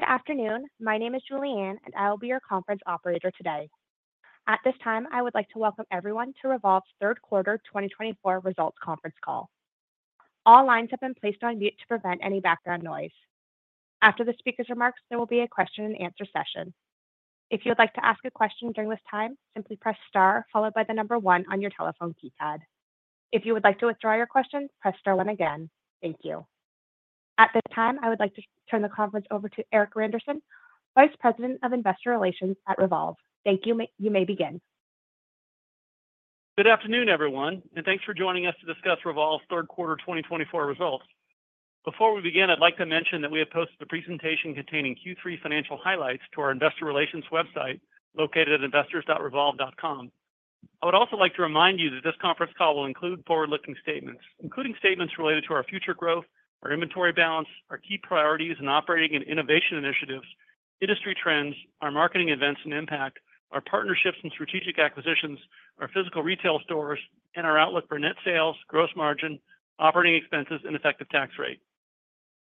Good afternoon. My name is Julie Anne, and I will be your conference operator today. At this time, I would like to welcome everyone to Revolve's Q3 2024 results conference Call. All lines have been placed on mute to prevent any background noise. After the speaker's remarks, there will be a question-and-answer session. If you would like to ask a question during this time, simply press star followed by the number one on your telephone keypad. If you would like to withdraw your question, press star one again. Thank you. At this time, I would like to turn the conference over to Erik Randerson, Vice President of Investor Relations at Revolve. Thank you. You may begin. Good afternoon, everyone, and thanks for joining us to discuss Revolve's Q3 2024 results. Before we begin, I'd like to mention that we have posted a presentation containing Q3 financial highlights to our Investor Relations website located at investors.revolve.com. I would also like to remind you that this conference call will include forward-looking statements, including statements related to our future growth, our inventory balance, our key priorities in operating and innovation initiatives, industry trends, our marketing events and impact, our partnerships and strategic acquisitions, our physical retail stores, and our outlook for net sales, gross margin, operating expenses, and effective tax rate.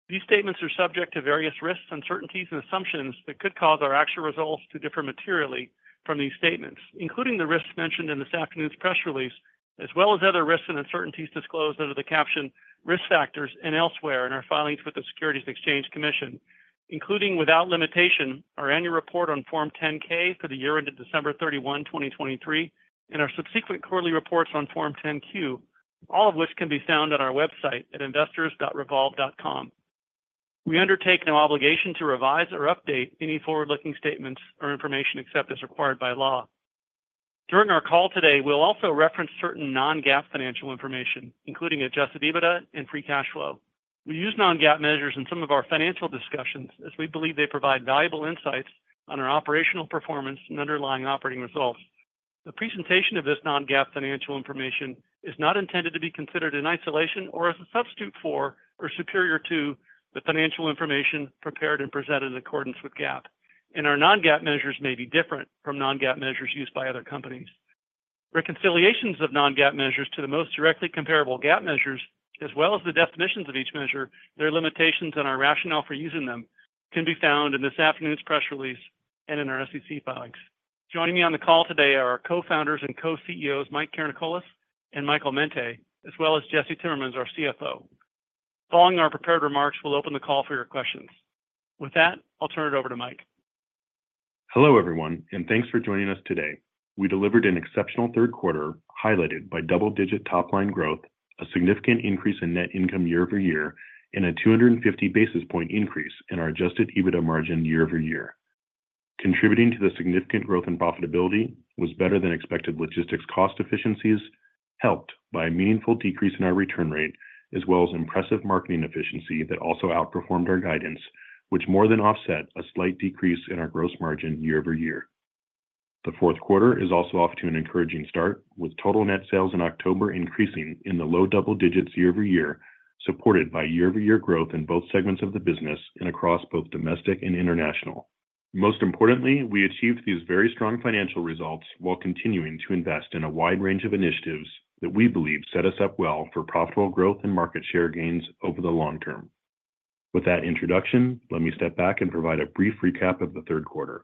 These statements are subject to various risks, uncertainties, and assumptions that could cause our actual results to differ materially from these statements, including the risks mentioned in this afternoon's press release, as well as other risks and uncertainties disclosed under the caption "Risk Factors" and elsewhere in our filings with the Securities and Exchange Commission, including without limitation our annual report on Form 10-K for the year ended 31 December 2023, and our subsequent quarterly reports on Form 10-Q, all of which can be found on our website at investors.revolve.com. We undertake no obligation to revise or update any forward-looking statements or information except as required by law. During our call today, we'll also reference certain non-GAAP financial information, including Adjusted EBITDA and Free Cash Flow. We use non-GAAP measures in some of our financial discussions as we believe they provide valuable insights on our operational performance and underlying operating results. The presentation of this non-GAAP financial information is not intended to be considered in isolation or as a substitute for or superior to the financial information prepared and presented in accordance with GAAP, and our non-GAAP measures may be different from non-GAAP measures used by other companies. Reconciliations of non-GAAP measures to the most directly comparable GAAP measures, as well as the definitions of each measure, their limitations, and our rationale for using them can be found in this afternoon's press release and in our SEC filings. Joining me on the call today are our Co-Founders and Co-CEOs, Mike Karanikolas and Michael Mente, as well as Jesse Timmermans, our CFO. Following our prepared remarks, we'll open the call for your questions. With that, I'll turn it over to Mike. Hello, everyone, and thanks for joining us today. We delivered an exceptional Q3 highlighted by double-digit top-line growth, a significant increase in net income year-over-year, and a 250 basis points increase in our Adjusted EBITDA margin year-over-year. Contributing to the significant growth in profitability was better-than-expected logistics cost efficiencies, helped by a meaningful decrease in our return rate, as well as impressive marketing efficiency that also outperformed our guidance, which more than offset a slight decrease in our gross margin year-over-year. The Q4 is also off to an encouraging start, with total net sales in October increasing in the low double-digits year-over-year, supported by year-over-year growth in both segments of the business and across both domestic and international. Most importantly, we achieved these very strong financial results while continuing to invest in a wide range of initiatives that we believe set us up well for profitable growth and market share gains over the long term. With that introduction, let me step back and provide a brief recap of the Q3.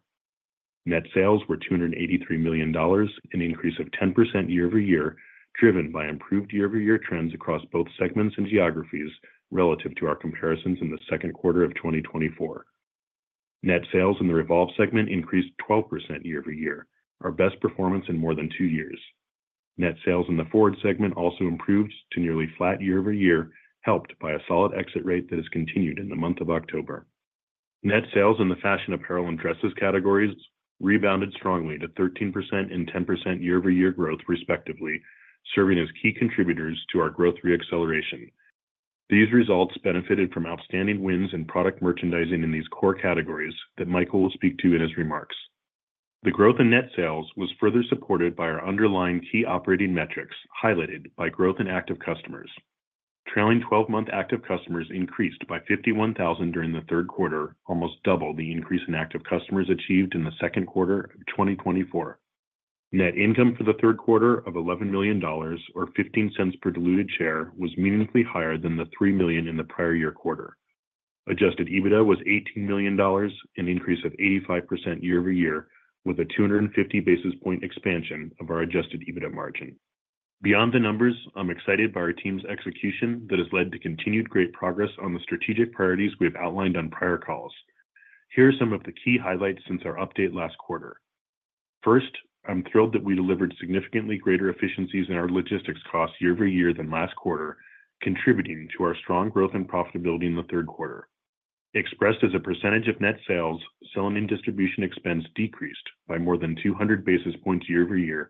Net sales were $283 million, an increase of 10% year-over-year, driven by improved year-over-year trends across both segments and geographies relative to our comparisons in the Q2 of 2024. Net sales in the Revolve segment increased 12% year-over-year, our best performance in more than two years. Net sales in the FWRD segment also improved to nearly flat year-over-year, helped by a solid exit rate that has continued in the month of October. Net sales in the fashion apparel and dresses categories rebounded strongly to 13% and 10% year-over-year growth, respectively, serving as key contributors to our growth reacceleration. These results benefited from outstanding wins in product merchandising in these core categories that Michael will speak to in his remarks. The growth in net sales was further supported by our underlying key operating metrics highlighted by growth in active customers. Trailing 12-month active customers increased by 51,000 during the Q3, almost double the increase in active customers achieved in the Q2 of 2024. Net income for the Q3 of $11 million, or $0.15 per diluted share, was meaningfully higher than the $3 million in the prior year quarter. Adjusted EBITDA was $18 million, an increase of 85% year-over-year, with a 250 basis points expansion of our Adjusted EBITDA margin. Beyond the numbers, I'm excited by our team's execution that has led to continued great progress on the strategic priorities we have outlined on prior calls. Here are some of the key highlights since our update last quarter. First, I'm thrilled that we delivered significantly greater efficiencies in our logistics costs year-over-year than last quarter, contributing to our strong growth and profitability in the Q3. Expressed as a percentage of net sales, selling and distribution expense decreased by more than 200 basis points year-over-year, and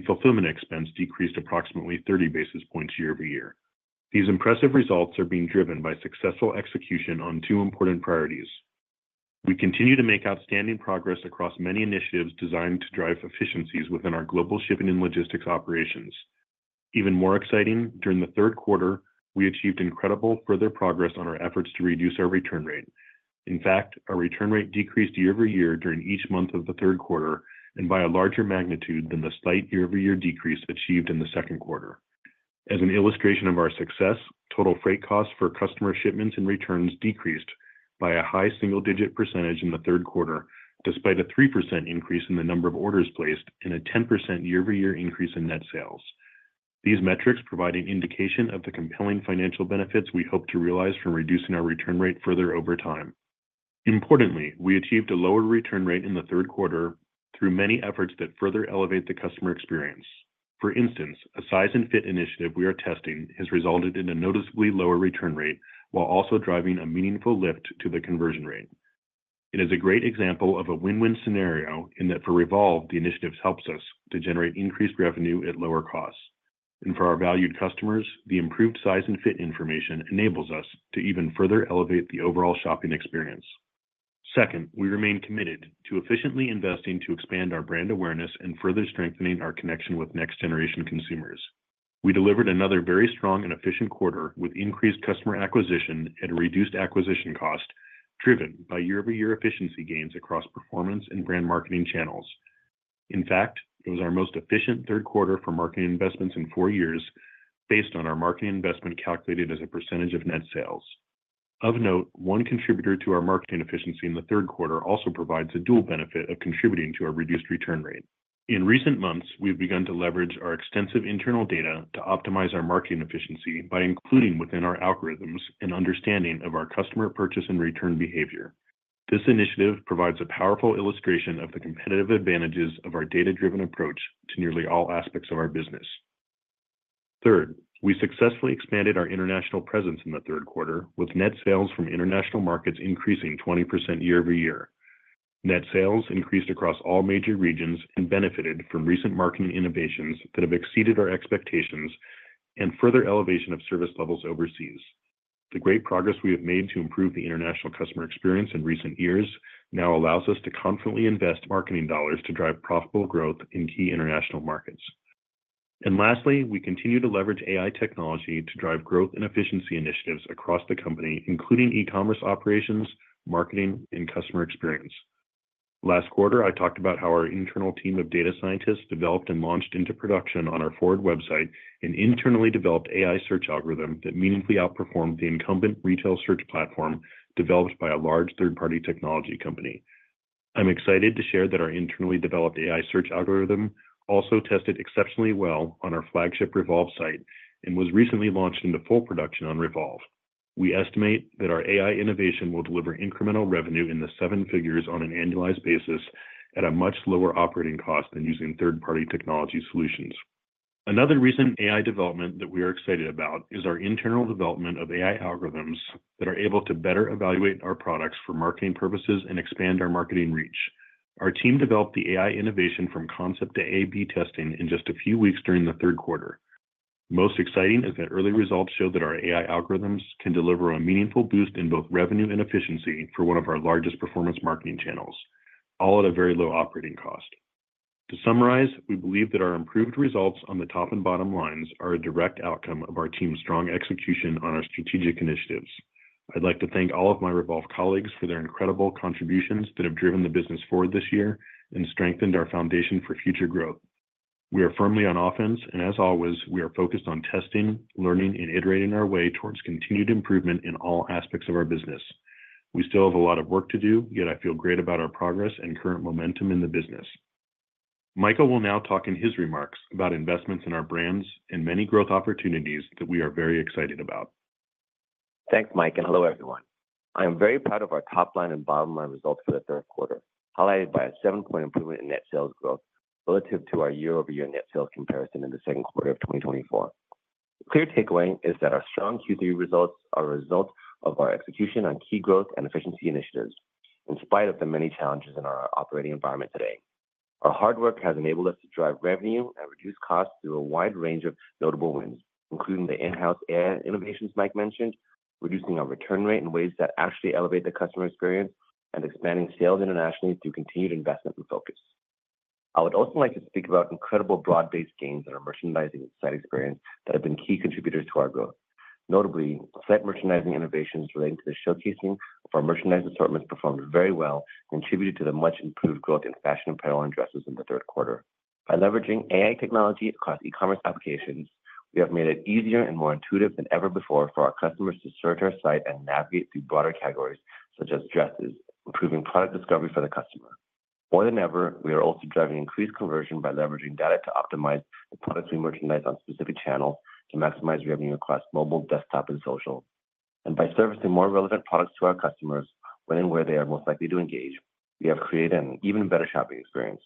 fulfillment expense decreased approximately 30 basis points year-over-year. These impressive results are being driven by successful execution on two important priorities. We continue to make outstanding progress across many initiatives designed to drive efficiencies within our global shipping and logistics operations. Even more exciting, during the Q3, we achieved incredible further progress on our efforts to reduce our return rate. In fact, our return rate decreased year-over-year during each month of the Q3 and by a larger magnitude than the slight year-over-year decrease achieved in the Q2. As an illustration of our success, total freight costs for customer shipments and returns decreased by a high single-digit percentage in the Q3, despite a 3% increase in the number of orders placed and a 10% year-over-year increase in net sales. These metrics provide an indication of the compelling financial benefits we hope to realize from reducing our return rate further over time. Importantly, we achieved a lower return rate in the Q3 through many efforts that further elevate the customer experience. For instance, a size and fit initiative we are testing has resulted in a noticeably lower return rate while also driving a meaningful lift to the conversion rate. It is a great example of a win-win scenario in that for Revolve, the initiative helps us to generate increased revenue at lower costs, and for our valued customers, the improved size and fit information enables us to even further elevate the overall shopping experience. Second, we remain committed to efficiently investing to expand our brand awareness and further strengthening our connection with next-generation consumers. We delivered another very strong and efficient quarter with increased customer acquisition and reduced acquisition cost, driven by year-over-year efficiency gains across performance and brand marketing channels. In fact, it was our most efficient Q3 for marketing investments in four years, based on our marketing investment calculated as a percentage of net sales. Of note, one contributor to our marketing efficiency in the Q3 also provides a dual benefit of contributing to our reduced return rate. In recent months, we've begun to leverage our extensive internal data to optimize our marketing efficiency by including within our algorithms an understanding of our customer purchase and return behavior. This initiative provides a powerful illustration of the competitive advantages of our data-driven approach to nearly all aspects of our business. Third, we successfully expanded our international presence in the Q3, with net sales from international markets increasing 20% year-over-year. Net sales increased across all major regions and benefited from recent marketing innovations that have exceeded our expectations and further elevation of service levels overseas. The great progress we have made to improve the international customer experience in recent years now allows us to confidently invest marketing dollars to drive profitable growth in key international markets. And lastly, we continue to leverage AI technology to drive growth and efficiency initiatives across the company, including e-commerce operations, marketing, and customer experience. Last quarter, I talked about how our internal team of data scientists developed and launched into production on our FWRD website an internally developed AI search algorithm that meaningfully outperformed the incumbent retail search platform developed by a large third-party technology company. I'm excited to share that our internally developed AI search algorithm also tested exceptionally well on our flagship Revolve site and was recently launched into full production on Revolve. We estimate that our AI innovation will deliver incremental revenue in the seven figures on an annualized basis at a much lower operating cost than using third-party technology solutions. Another recent AI development that we are excited about is our internal development of AI algorithms that are able to better evaluate our products for marketing purposes and expand our marketing reach. Our team developed the AI innovation from concept to A/B testing in just a few weeks during the Q3. Most exciting is that early results show that our AI algorithms can deliver a meaningful boost in both revenue and efficiency for one of our largest performance marketing channels, all at a very low operating cost. To summarize, we believe that our improved results on the top and bottom lines are a direct outcome of our team's strong execution on our strategic initiatives. I'd like to thank all of my Revolve colleagues for their incredible contributions that have driven the business forward this year and strengthened our foundation for future growth. We are firmly on offense, and as always, we are focused on testing, learning, and iterating our way towards continued improvement in all aspects of our business. We still have a lot of work to do, yet I feel great about our progress and current momentum in the business. Michael will now talk in his remarks about investments in our brands and many growth opportunities that we are very excited about. Thanks, Mike, and hello, everyone. I am very proud of our top-line and bottom-line results for the Q3, highlighted by a seven-point improvement in net sales growth relative to our year-over-year net sales comparison in the Q2 of 2024. The clear takeaway is that our strong Q3 results are a result of our execution on key growth and efficiency initiatives, in spite of the many challenges in our operating environment today. Our hard work has enabled us to drive revenue and reduce costs through a wide range of notable wins, including the in-house AI innovations Mike mentioned, reducing our return rate in ways that actually elevate the customer experience, and expanding sales internationally through continued investment and focus. I would also like to speak about incredible broad-based gains in our merchandising site experience that have been key contributors to our growth. Notably, site merchandising innovations relating to the showcasing of our merchandise assortments performed very well and contributed to the much-improved growth in fashion apparel and dresses in the Q3. By leveraging AI technology across e-commerce applications, we have made it easier and more intuitive than ever before for our customers to search our site and navigate through broader categories such as dresses, improving product discovery for the customer. More than ever, we are also driving increased conversion by leveraging data to optimize the products we merchandise on specific channels to maximize revenue across mobile, desktop, and social, and by servicing more relevant products to our customers when and where they are most likely to engage, we have created an even better shopping experience.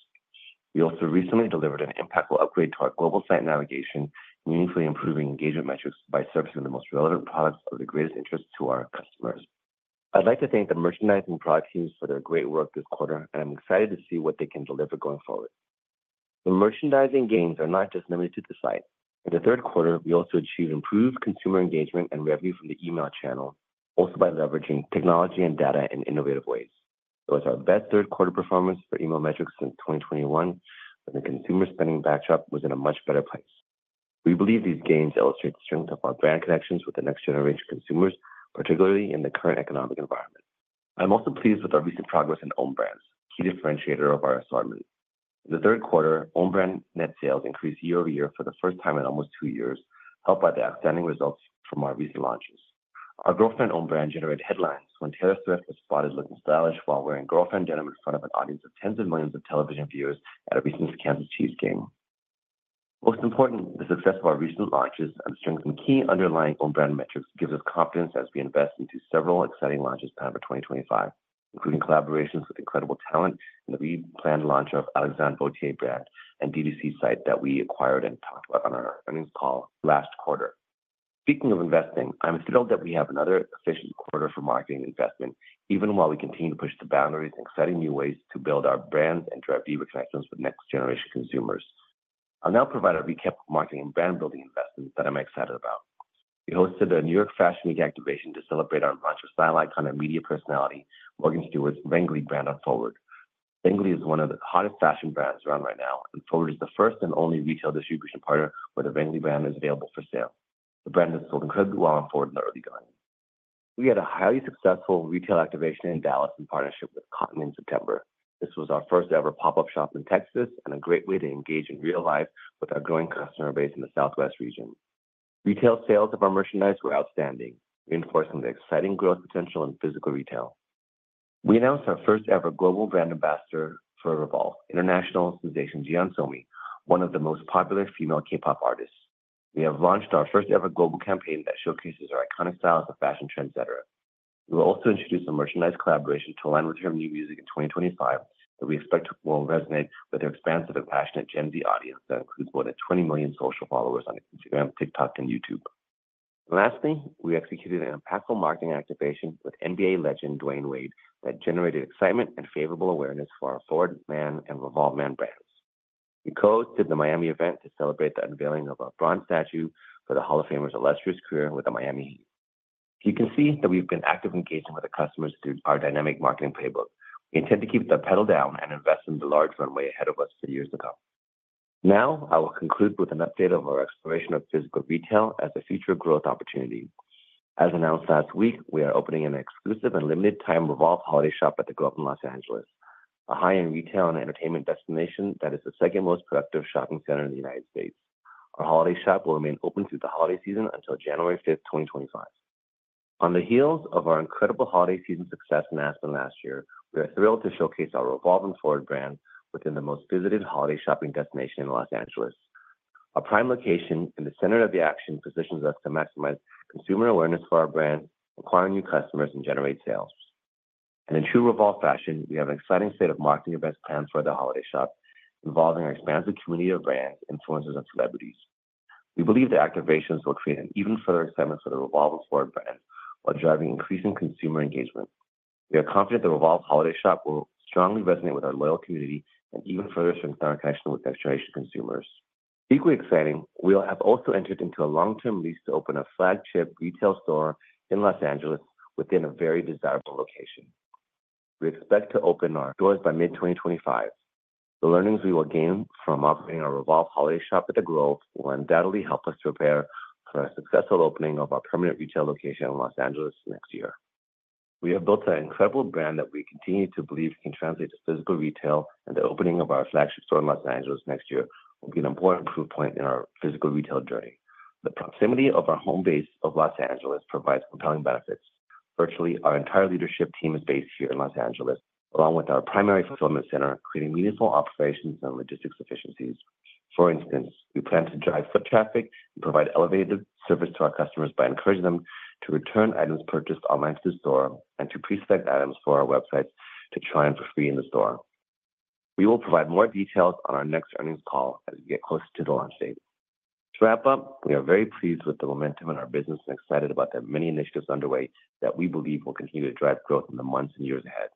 We also recently delivered an impactful upgrade to our global site navigation, meaningfully improving engagement metrics by servicing the most relevant products of the greatest interest to our customers. I'd like to thank the merchandising product teams for their great work this quarter, and I'm excited to see what they can deliver going forward. The merchandising gains are not just limited to the site. In the Q3, we also achieved improved consumer engagement and revenue from the email channel, also by leveraging technology and data in innovative ways. It was our best Q3 performance for email metrics since 2021, and the consumer spending backdrop was in a much better place. We believe these gains illustrate the strength of our brand connections with the next generation of consumers, particularly in the current economic environment. I'm also pleased with our recent progress in Own Brands, a key differentiator of our assortment. In the Q3, Own Brands net sales increased year-over-year for the first time in almost two years, helped by the outstanding results from our recent launches. Our GRLFRND Own Brands generated headlines when Taylor Swift was spotted looking stylish while wearing GRLFRND denim in front of an audience of tens of millions of television viewers at a recent Kansas City Chiefs game. Most importantly, the success of our recent launches and strengthened key underlying Own Brands metrics gives us confidence as we invest into several exciting launches planned for 2025, including collaborations with incredible talent and the planned launch of Alexandre Vauthier brand and FWRD site that we acquired and talked about on our earnings call last quarter. Speaking of investing, I'm thrilled that we have another efficient quarter for marketing and investment, even while we continue to push the boundaries and exciting new ways to build our brands and drive deeper connections with next-generation consumers. I'll now provide a recap of marketing and brand-building investments that I'm excited about. We hosted a New York Fashion Week activation to celebrate our launch of style icon and media personality Morgan Stewart's Renggli brand on FWRD. Renggli is one of the hottest fashion brands around right now, and FWRD is the first and only retail distribution partner where the Renggli brand is available for sale. The brand has sold incredibly well on FWRD in the early going. We had a highly successful retail activation in Dallas in partnership with Cotton in September. This was our first-ever pop-up shop in Texas and a great way to engage in real life with our growing customer base in the Southwest region. Retail sales of our merchandise were outstanding, reinforcing the exciting growth potential in physical retail. We announced our first-ever global brand ambassador for Revolve, international sensation Jeon Somi, one of the most popular female K-pop artists. We have launched our first-ever global campaign that showcases our iconic styles of fashion trendsetter. We will also introduce a merchandise collaboration to align with her new music in 2025 that we expect will resonate with her expansive and passionate Gen Z audience that includes more than 20 million social followers on Instagram, TikTok and YouTube. Lastly, we executed an impactful marketing activation with NBA legend Dwyane Wade that generated excitement and favorable awareness for our FWRD Man and Revolve Man brands. We co-hosted the Miami event to celebrate the unveiling of a bronze statue for the Hall of Famer's illustrious career with the Miami Heat. You can see that we've been active engaging with our customers through our dynamic marketing playbook. We intend to keep the pedal down and invest in the large runway ahead of us for years to come. Now, I will conclude with an update of our exploration of physical retail as a future growth opportunity. As announced last week, we are opening an exclusive and limited-time Revolve Holiday Shop at The Grove, Los Angeles, a high-end retail and entertainment destination that is the second most productive shopping center in the United States. Our holiday shop will remain open through the holiday season until 5 January 2025. On the heels of our incredible holiday season success in Aspen last year, we are thrilled to showcase our Revolve and FWRD brand within the most visited holiday shopping destination in Los Angeles. Our prime location in the center of the action positions us to maximize consumer awareness for our brand, acquire new customers, and generate sales, and in true Revolve fashion, we have an exciting slate of marketing events planned for the holiday shop, involving our expansive community of brands, influencers, and celebrities. We believe the activations will create an even further excitement for the Revolve and FWRD brands while driving increasing consumer engagement. We are confident the Revolve Holiday Shop will strongly resonate with our loyal community and even further strengthen our connection with next-generation consumers. Equally exciting, we have also entered into a long-term lease to open a flagship retail store in Los Angeles within a very desirable location. We expect to open our doors by mid-2025. The learnings we will gain from operating our Revolve Holiday Shop at The Grove will undoubtedly help us prepare for a successful opening of our permanent retail location in Los Angeles next year. We have built an incredible brand that we continue to believe can translate to physical retail, and the opening of our flagship store in Los Angeles next year will be an important proof point in our physical retail journey. The proximity of our home base of Los Angeles provides compelling benefits. Virtually, our entire leadership team is based here in Los Angeles, along with our primary fulfillment center, creating meaningful operations and logistics efficiencies. For instance, we plan to drive foot traffic and provide elevated service to our customers by encouraging them to return items purchased online to the store and to pre-select items for our websites to try and for free in the store. We will provide more details on our next earnings call as we get closer to the launch date. To wrap up, we are very pleased with the momentum in our business and excited about the many initiatives underway that we believe will continue to drive growth in the months and years ahead.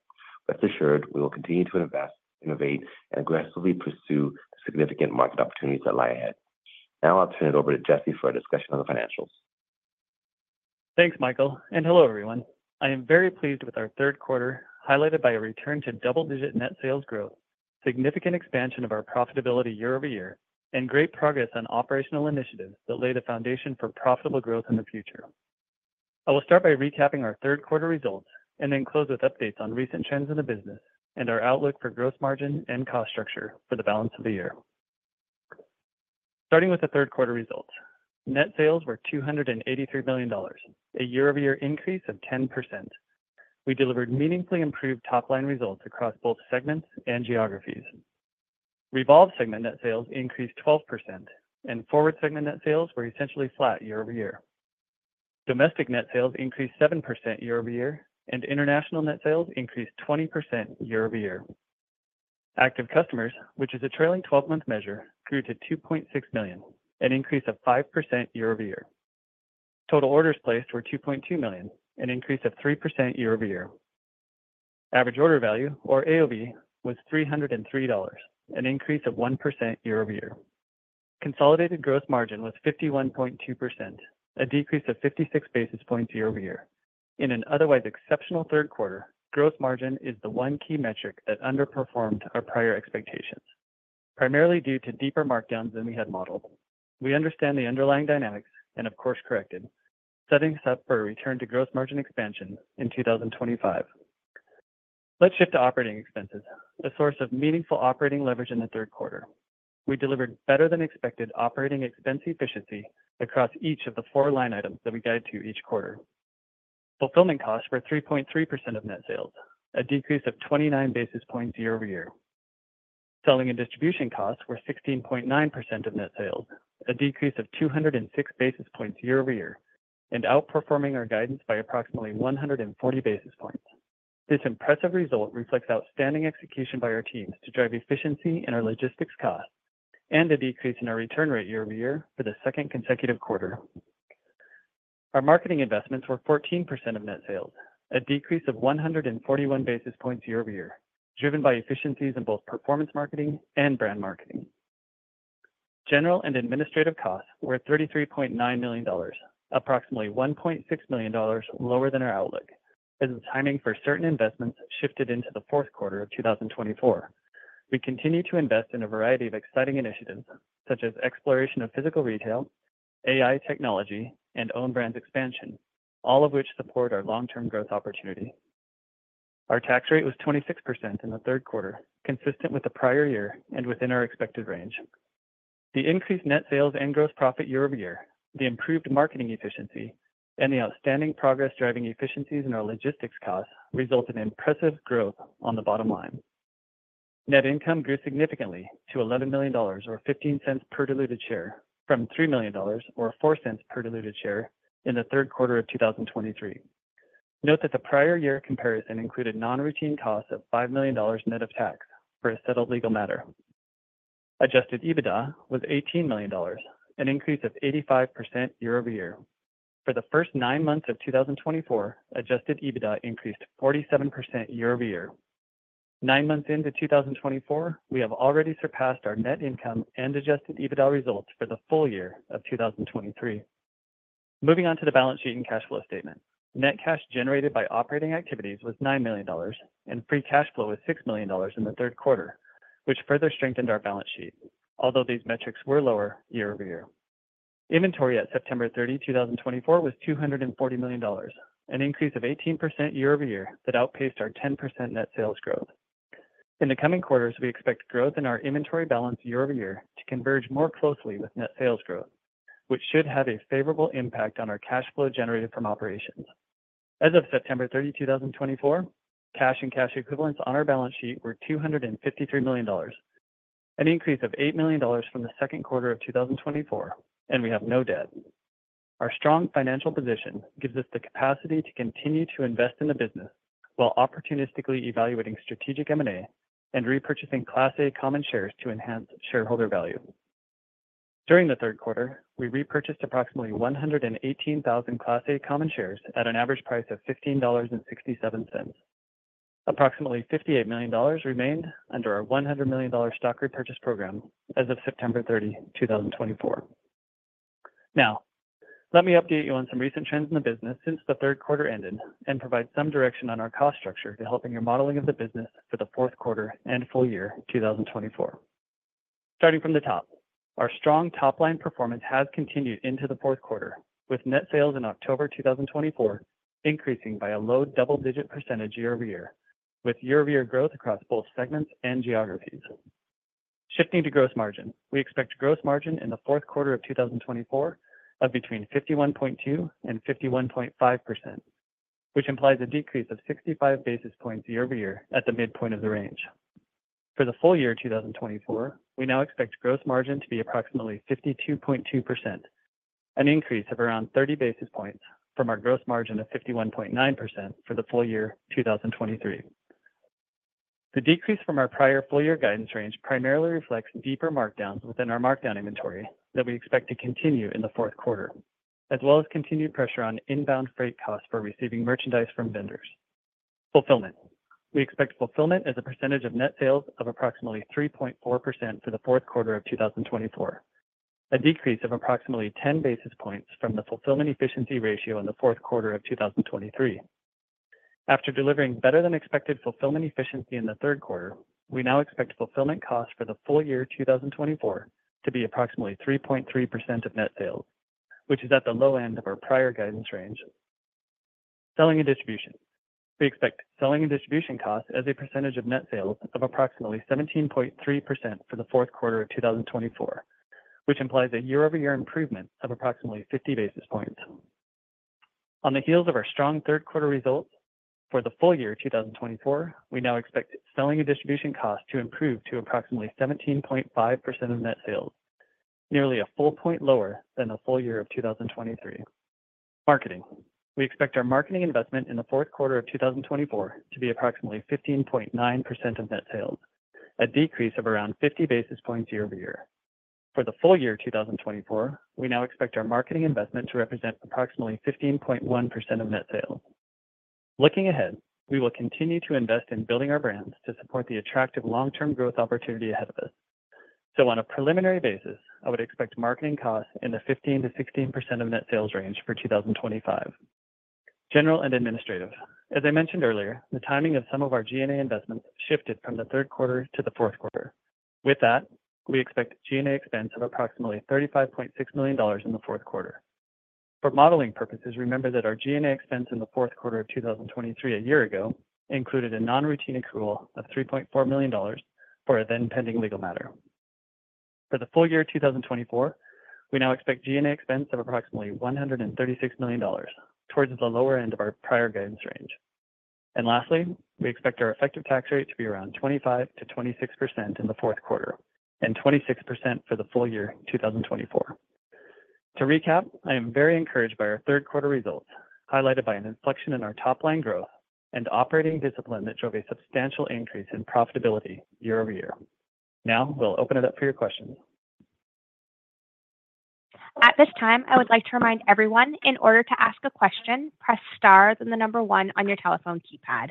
Rest assured, we will continue to invest, innovate, and aggressively pursue significant market opportunities that lie ahead. Now I'll turn it over to Jesse for a discussion on the financials. Thanks, Michael, and hello, everyone. I am very pleased with our Q3, highlighted by a return to double-digit net sales growth, significant expansion of our profitability year-over-year, and great progress on operational initiatives that lay the foundation for profitable growth in the future. I will start by recapping our Q3 results and then close with updates on recent trends in the business and our outlook for gross margin and cost structure for the balance of the year. Starting with the Q3 results, net sales were $283 million, a year-over-year increase of 10%. We delivered meaningfully improved top-line results across both segments and geographies. Revolve segment net sales increased 12%, and FWRD segment net sales were essentially flat year-over-year. Domestic net sales increased 7% year-over-year, and international net sales increased 20% year-over-year. Active customers, which is a trailing 12-month measure, grew to 2.6 million, an increase of 5% year-over-year. Total orders placed were 2.2 million, an increase of 3% year-over-year. Average Order Value or AOV, was $303, an increase of 1% year-over-year. Consolidated gross margin was 51.2%, a decrease of 56 basis points year-over-year. In an otherwise exceptional Q3, gross margin is the one key metric that underperformed our prior expectations, primarily due to deeper markdowns than we had modeled. We understand the underlying dynamics and, of course, corrected, setting us up for a return to gross margin expansion in 2025. Let's shift to operating expenses, a source of meaningful operating leverage in the Q3. We delivered better-than-expected operating expense efficiency across each of the four line items that we guided to each quarter. Fulfillment costs were 3.3% of net sales, a decrease of 29 basis points year-over-year. Selling and distribution costs were 16.9% of net sales, a decrease of 206 basis points year-over-year, and outperforming our guidance by approximately 140 basis points. This impressive result reflects outstanding execution by our teams to drive efficiency in our logistics costs and a decrease in our return rate year-over-year for the second consecutive quarter. Our marketing investments were 14% of net sales, a decrease of 141 basis points year-over-year, driven by efficiencies in both performance marketing and brand marketing. General and administrative costs were $33.9 million, approximately $1.6 million lower than our outlook, as the timing for certain investments shifted into the Q4 of 2024. We continue to invest in a variety of exciting initiatives, such as exploration of physical retail, AI technology, and Own Brands expansion, all of which support our long-term growth opportunity. Our Tax Rate was 26% in the Q3, consistent with the prior year and within our expected range. The increased net sales and gross profit year-over-year, the improved marketing efficiency, and the outstanding progress driving efficiencies in our logistics costs resulted in impressive growth on the bottom line. Net income grew significantly to $11 million, or $0.15 per diluted share, from $3 million, or $0.04 per diluted share in the Q3 of 2023. Note that the prior year comparison included non-routine costs of $5 million net of tax for a settled legal matter. Adjusted EBITDA was $18 million, an increase of 85% year-over-year. For the first nine months of 2024, Adjusted EBITDA increased 47% year-over-year. Nine months into 2024, we have already surpassed our net income and Adjusted EBITDA results for the full year of 2023. Moving on to the balance sheet and cash flow statement, net cash generated by operating activities was $9 million and Free Cash Flow was $6 million in the Q3, which further strengthened our balance sheet, although these metrics were lower year-over-year. Inventory at 30 September 2024, was $240 million, an increase of 18% year-over-year that outpaced our 10% net sales growth. In the coming quarters, we expect growth in our inventory balance year-over-year to converge more closely with net sales growth, which should have a favorable impact on our cash flow generated from operations. As of 30 September 2024, cash and cash equivalents on our balance sheet were $253 million, an increase of $8 million from the Q2 of 2024, and we have no debt. Our strong financial position gives us the capacity to continue to invest in the business while opportunistically evaluating strategic M&A and repurchasing Class A common shares to enhance shareholder value. During the Q3, we repurchased approximately 118,000 Class A common shares at an average price of $15.67. Approximately $58 million remained under our $100 million stock repurchase program as of 30 September 2024. Now, let me update you on some recent trends in the business since the Q3 ended and provide some direction on our cost structure to help in your modeling of the business for the Q4 and full year 2024. Starting from the top, our strong top-line performance has continued into the Q4, with net sales in October 2024 increasing by a low double-digit percentage year-over-year, with year-over-year growth across both segments and geographies. Shifting to gross margin, we expect gross margin in the Q4 of 2024 of between 51.2% and 51.5%, which implies a decrease of 65 basis points year-over-year at the midpoint of the range. For the full year 2024, we now expect gross margin to be approximately 52.2%, an increase of around 30 basis points from our gross margin of 51.9% for the full year 2023. The decrease from our prior full-year guidance range primarily reflects deeper markdowns within our markdown inventory that we expect to continue in the Q4, as well as continued pressure on inbound freight costs for receiving merchandise from vendors. Fulfillment, we expect fulfillment as a percentage of net sales of approximately 3.4% for the Q4 of 2024, a decrease of approximately 10 basis points from the fulfillment efficiency ratio in the Q4 of 2023. After delivering better-than-expected fulfillment efficiency in the Q3, we now expect fulfillment costs for the full year 2024 to be approximately 3.3% of net sales, which is at the low end of our prior guidance range. Selling and distribution, we expect selling and distribution costs as a percentage of net sales of approximately 17.3% for the Q4 of 2024, which implies a year-over-year improvement of approximately 50 basis points. On the heels of our strong Q3 results for the full year 2024, we now expect selling and distribution costs to improve to approximately 17.5% of net sales, nearly a full point lower than the full year of 2023. Marketing, we expect our marketing investment in the Q4 of 2024 to be approximately 15.9% of net sales, a decrease of around 50 basis points year-over-year. For the full year 2024, we now expect our marketing investment to represent approximately 15.1% of net sales. Looking ahead, we will continue to invest in building our brands to support the attractive long-term growth opportunity ahead of us. So, on a preliminary basis, I would expect marketing costs in the 15%-16% of net sales range for 2025. General and administrative, as I mentioned earlier, the timing of some of our G&A investments shifted from the Q3 to the Q4. With that, we expect G&A expense of approximately $35.6 million in the Q4. For modeling purposes, remember that our G&A expense in the Q4 of 2023 a year ago included a non-routine accrual of $3.4 million for a then-pending legal matter. For the full year 2024, we now expect G&A expense of approximately $136 million, towards the lower end of our prior guidance range. And lastly, we expect our effective tax rate to be around 25%-26% in the Q4 and 26% for the full year 2024. To recap, I am very encouraged by our Q3 results, highlighted by an inflection in our top-line growth and operating discipline that drove a substantial increase in profitability year-over-year. Now, we'll open it up for your questions. At this time, I would like to remind everyone, in order to ask a question, press star then the number one on your telephone keypad.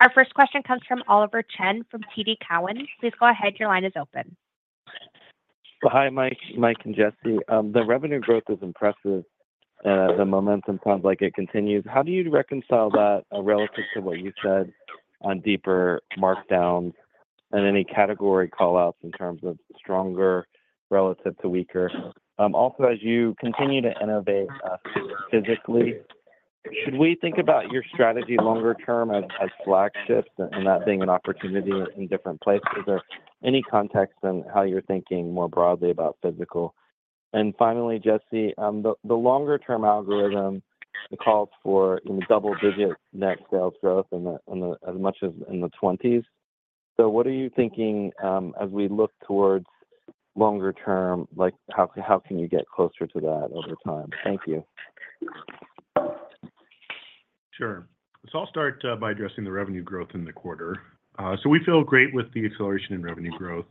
Our first question comes from Oliver Chen from TD Cowen. Please go ahead. Your line is open. Hi, Mike, Mike and Jesse. The revenue growth is impressive, and the momentum sounds like it continues. How do you reconcile that relative to what you said on deeper markdowns and any category callouts in terms of stronger relative to weaker? Also, as you continue to innovate physically, should we think about your strategy longer term as flagships and that being an opportunity in different places? Or any context on how you're thinking more broadly about physical? And finally, Jesse, the longer-term algorithm calls for double-digit net sales growth in the, as much as in the 20s. So what are you thinking as we look towards longer term? How can you get closer to that over time? Thank you. Sure. So I'll start by addressing the revenue growth in the quarter. So we feel great with the acceleration in revenue growth.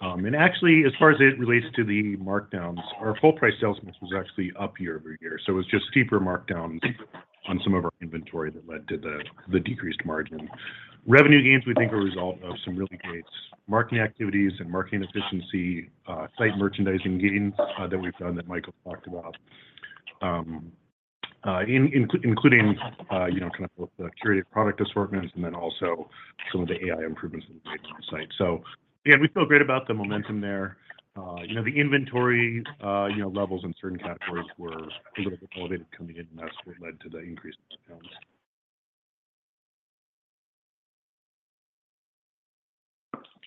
And actually, as far as it relates to the markdowns, our full-price sales was actually up year-over-year. So it was just steeper markdowns on some of our inventory that led to the decreased margin. Revenue gains, we think, are a result of some really great marketing activities and marketing efficiency, site merchandising gains that we've done that Michael talked about, including kind of both the curated product assortments and then also some of the AI improvements that we made on the site. So again, we feel great about the momentum there. The inventory levels in certain categories were a little bit elevated coming in, and that's what led to the increase in markdowns.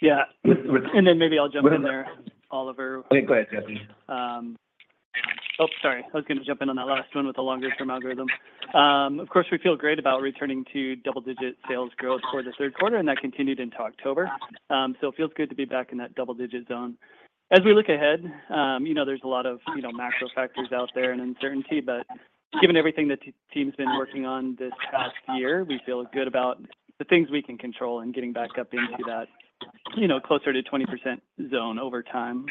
Yeah, and then maybe I'll jump in there, Oliver. Okay. Go ahead, Jesse. Oh, sorry. I was going to jump in on that last one with the longer-term algorithm. Of course, we feel great about returning to double-digit sales growth for the Q3, and that continued into October. So it feels good to be back in that double-digit zone. As we look ahead, there's a lot of macro factors out there and uncertainty, but given everything that the team's been working on this past year, we feel good about the things we can control and getting back up into that closer to 20% zone over time.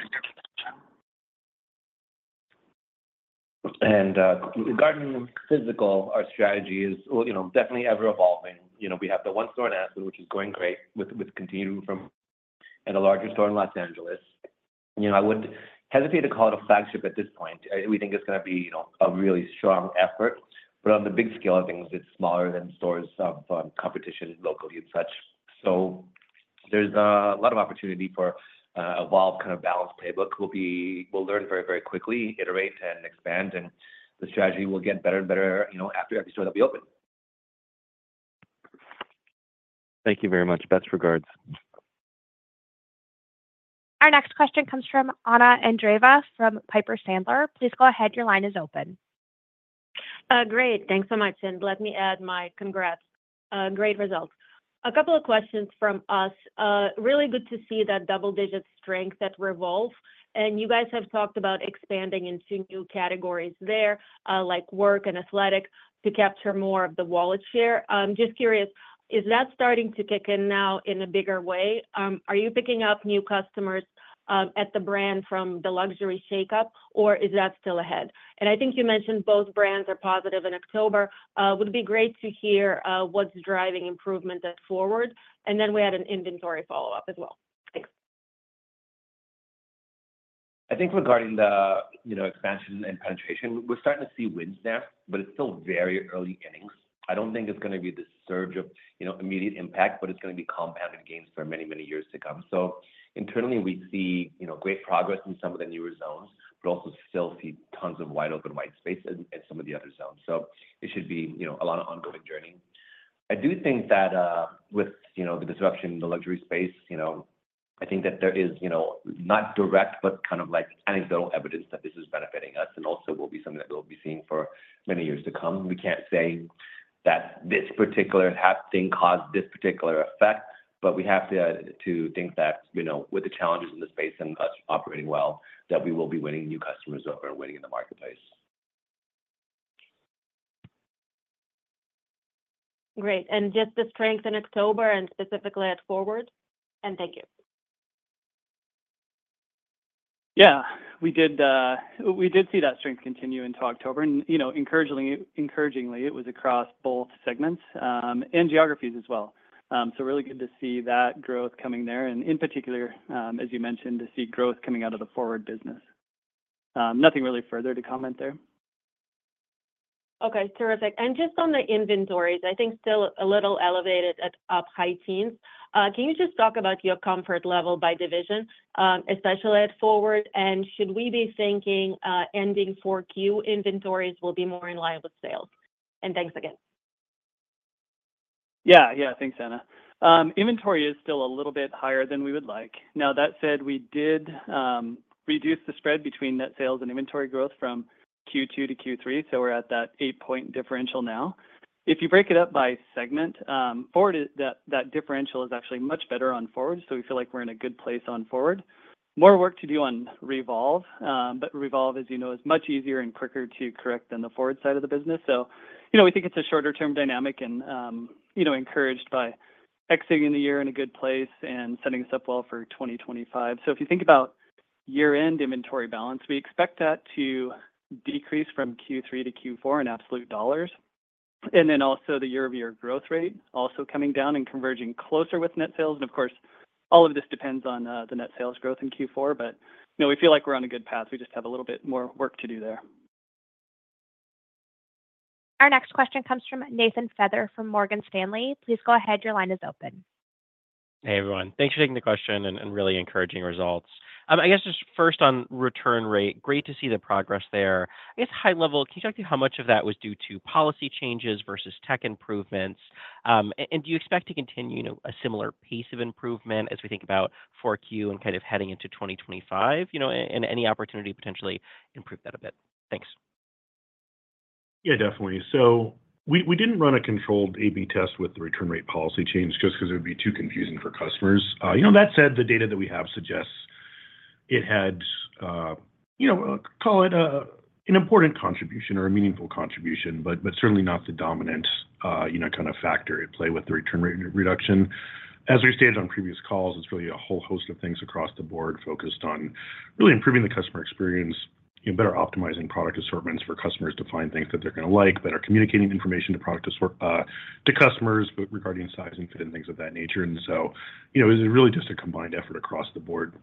Regarding physical, our strategy is definitely ever-evolving. We have the one store in Aspen, which is going great with continuing from. A larger store in Los Angeles. I would hesitate to call it a flagship at this point. We think it's going to be a really strong effort. On the big scale of things, it's smaller than stores of competition locally and such. There's a lot of opportunity for Revolve kind of balanced playbook. We'll learn very, very quickly, iterate, and expand, and the strategy will get better and better after every store that we open. Thank you very much. Best regards. Our next question comes from Anna Andreeva from Piper Sandler. Please go ahead. Your line is open. Great. Thanks so much. And let me add my congrats. Great results. A couple of questions from us. Really good to see that double-digit strength at Revolve. And you guys have talked about expanding into new categories there, like work and athletic, to capture more of the wallet share. I'm just curious, is that starting to kick in now in a bigger way? Are you picking up new customers at the brand from the luxury shake-up, or is that still ahead? And I think you mentioned both brands are positive in October. Would be great to hear what's driving improvement at FWRD. And then we had an inventory follow-up as well. Thanks. I think regarding the expansion and penetration, we're starting to see wins now, but it's still very early innings. I don't think it's going to be the surge of immediate impact, but it's going to be compounded gains for many, many years to come. So internally, we see great progress in some of the newer zones, but also still see tons of wide open white space in some of the other zones. So it should be a lot of ongoing journey. I do think that with the disruption in the luxury space, I think that there is not direct, but kind of like anecdotal evidence that this is benefiting us and also will be something that we'll be seeing for many years to come. We can't say that this particular thing caused this particular effect, but we have to think that with the challenges in the space and us operating well, that we will be winning new customers over and winning in the marketplace. Great. And just the strength in October and specifically at FWRD? And thank you. Yeah. We did see that strength continue into October. And encouragingly, it was across both segments and geographies as well. So really good to see that growth coming there. And in particular, as you mentioned, to see growth coming out of the FWRD business. Nothing really further to comment there. Okay. Terrific. And just on the inventories, I think still a little elevated at up high teens. Can you just talk about your comfort level by division, especially at FWRD? And should we be thinking ending 4Q inventories will be more in line with sales? And thanks again. Yeah. Yeah. Thanks, Anna. Inventory is still a little bit higher than we would like. Now, that said, we did reduce the spread between net sales and inventory growth from Q2 to Q3, so we're at that eight-point differential now. If you break it up by segment, FWRD, that differential is actually much better on FWRD, so we feel like we're in a good place on FWRD. More work to do on Revolve, but Revolve, as you know, is much easier and quicker to correct than the FWRD side of the business. So we think it's a shorter-term dynamic and encouraged by exiting the year in a good place and setting us up well for 2025. So if you think about year-end inventory balance, we expect that to decrease from Q3 to Q4 in absolute dollars. And then also the year-over-year growth rate also coming down and converging closer with net sales. And of course, all of this depends on the net sales growth in Q4, but we feel like we're on a good path. We just have a little bit more work to do there. Our next question comes from Nathan Feather from Morgan Stanley. Please go ahead. Your line is open. Hey, everyone. Thanks for taking the question and really encouraging results. I guess just first on return rate, great to see the progress there. I guess high level, can you talk to how much of that was due to policy changes versus tech improvements? And do you expect to continue a similar pace of improvement as we think about 4Q and kind of heading into 2025? And any opportunity to potentially improve that a bit? Thanks. Yeah, definitely. So we didn't run a controlled A/B test with the return rate policy change just because it would be too confusing for customers. That said, the data that we have suggests it had, call it an important contribution or a meaningful contribution, but certainly not the dominant kind of factor at play with the return rate reduction. As we stated on previous calls, it's really a whole host of things across the board focused on really improving the customer experience, better optimizing product assortments for customers to find things that they're going to like, better communicating information to customers, but regarding size and fit and things of that nature. And so it's really just a combined effort across the board.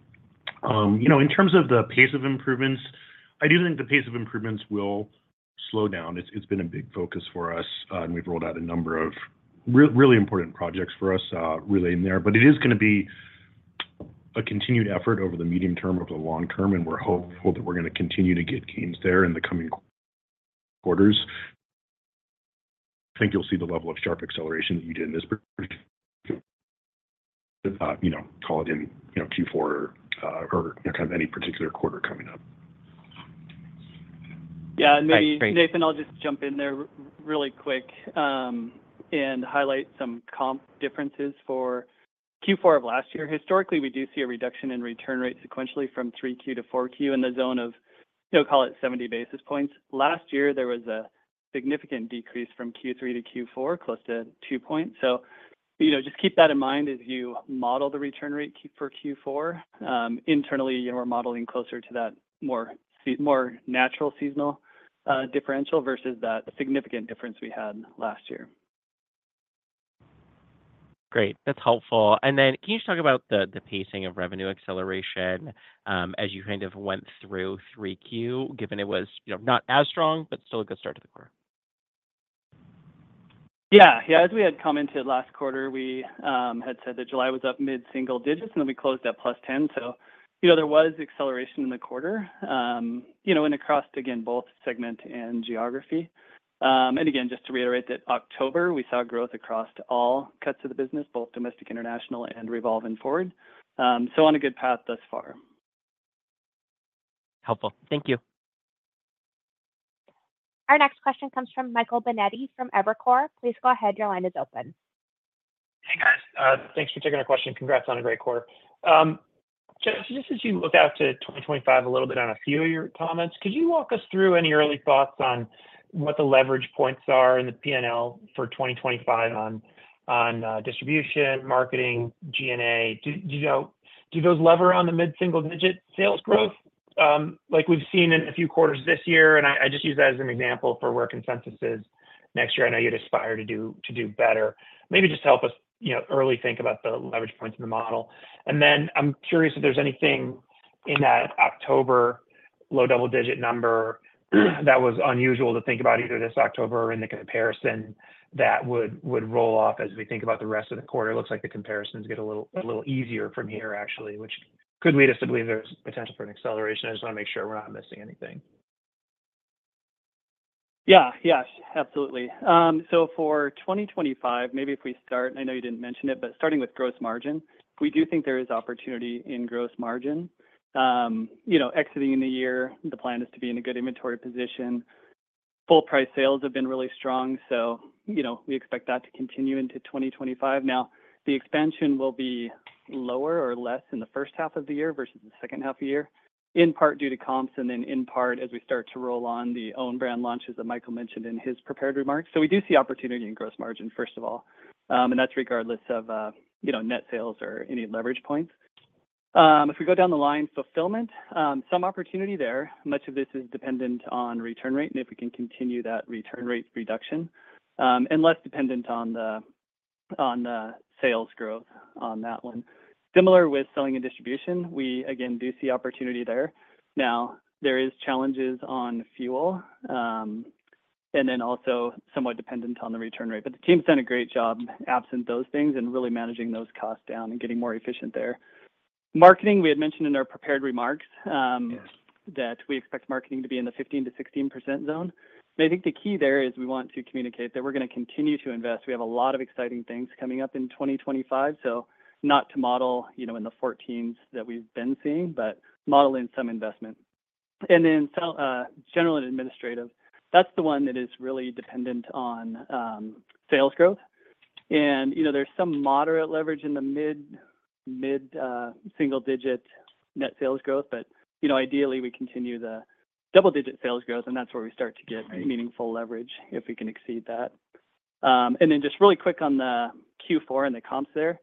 In terms of the pace of improvements, I do think the pace of improvements will slow down. It's been a big focus for us, and we've rolled out a number of really important projects for us relating there. But it is going to be a continued effort over the medium term over the long term, and we're hopeful that we're going to continue to get gains there in the coming quarters. I think you'll see the level of sharp acceleration that you did in this particular, call it in Q4 or kind of any particular quarter coming up. Yeah. And maybe, Nathan, I'll just jump in there really quick and highlight some comp differences for Q4 of last year. Historically, we do see a reduction in return rate sequentially from Q3 to Q4 in the zone of, call it 70 basis points. Last year, there was a significant decrease from Q3 to Q4, close to two points. So just keep that in mind as you model the return rate for Q4. Internally, we're modeling closer to that more natural seasonal differential versus that significant difference we had last year. Great. That's helpful. And then can you just talk about the pacing of revenue acceleration as you kind of went through Q3, given it was not as strong, but still a good start to the quarter? Yeah. Yeah. As we had commented last quarter, we had said that July was up mid-single-digits, and then we closed at +10. So there was acceleration in the quarter and across, again, both segment and geography. And again, just to reiterate that October, we saw growth across all cuts of the business, both domestic, international, and Revolve and FWRD. So on a good path thus far. Helpful. Thank you. Our next question comes from Michael Binetti from Evercore. Please go ahead. Your line is open. Hey, guys. Thanks for taking our question. Congrats on a great quarter. Just as you look out to 2025 a little bit on a few of your comments, could you walk us through any early thoughts on what the leverage points are in the P&L for 2025 on distribution, marketing, G&A? Do those leverage on the mid-single-digit sales growth like we've seen in a few quarters this year? And I just use that as an example for where consensus is next year. I know you'd aspire to do better. Maybe just help us early think about the leverage points in the model. And then I'm curious if there's anything in that October low double-digit number that was unusual to think about either this October or in the comparison that would roll off as we think about the rest of the quarter. It looks like the comparisons get a little easier from here, actually, which could lead us to believe there's potential for an acceleration. I just want to make sure we're not missing anything. Yeah. Yes. Absolutely. So for 2025, maybe if we start, and I know you didn't mention it, but starting with gross margin, we do think there is opportunity in gross margin. Exiting in the year, the plan is to be in a good inventory position. Full-price sales have been really strong, so we expect that to continue into 2025. Now, the expansion will be lower or less in the first half of the year versus the second half of the year, in part due to comps and then in part as we start to roll on the own brand launches that Michael mentioned in his prepared remarks. So we do see opportunity in gross margin, first of all, and that's regardless of net sales or any leverage points. If we go down the line, fulfillment, some opportunity there. Much of this is dependent on return rate and if we can continue that return rate reduction and less dependent on the sales growth on that one. Similar with selling and distribution, we, again, do see opportunity there. Now, there are challenges on fuel and then also somewhat dependent on the return rate. But the team's done a great job absent those things and really managing those costs down and getting more efficient there. Marketing, we had mentioned in our prepared remarks that we expect marketing to be in the 15%-16% zone. I think the key there is we want to communicate that we're going to continue to invest. We have a lot of exciting things coming up in 2025, so not to model in the 14% that we've been seeing, but modeling some investment. And then general and administrative, that's the one that is really dependent on sales growth. And there's some moderate leverage in the mid-single-digit net sales growth, but ideally, we continue the double-digit sales growth, and that's where we start to get meaningful leverage if we can exceed that. And then just really quick on the Q4 and the comps there.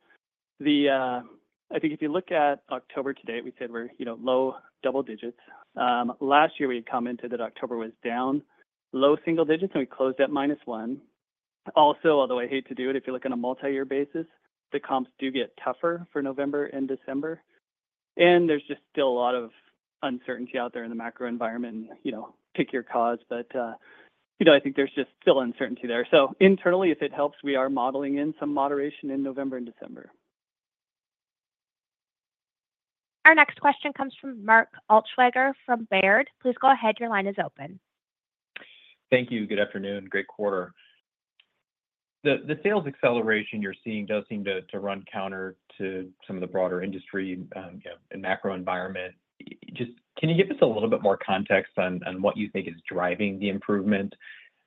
I think if you look at October to date, we said we're low double-digits. Last year, we had commented that October was down, low single-digits, and we closed at minus one. Also, although I hate to do it, if you look on a multi-year basis, the comps do get tougher for November and December. And there's just still a lot of uncertainty out there in the macro environment. Pick your cause, but I think there's just still uncertainty there. Internally, if it helps, we are modeling in some moderation in November and December. Our next question comes from Mark Altschwager from Baird. Please go ahead. Your line is open. Thank you. Good afternoon. Great quarter. The sales acceleration you're seeing does seem to run counter to some of the broader industry and macro environment. Just can you give us a little bit more context on what you think is driving the improvement?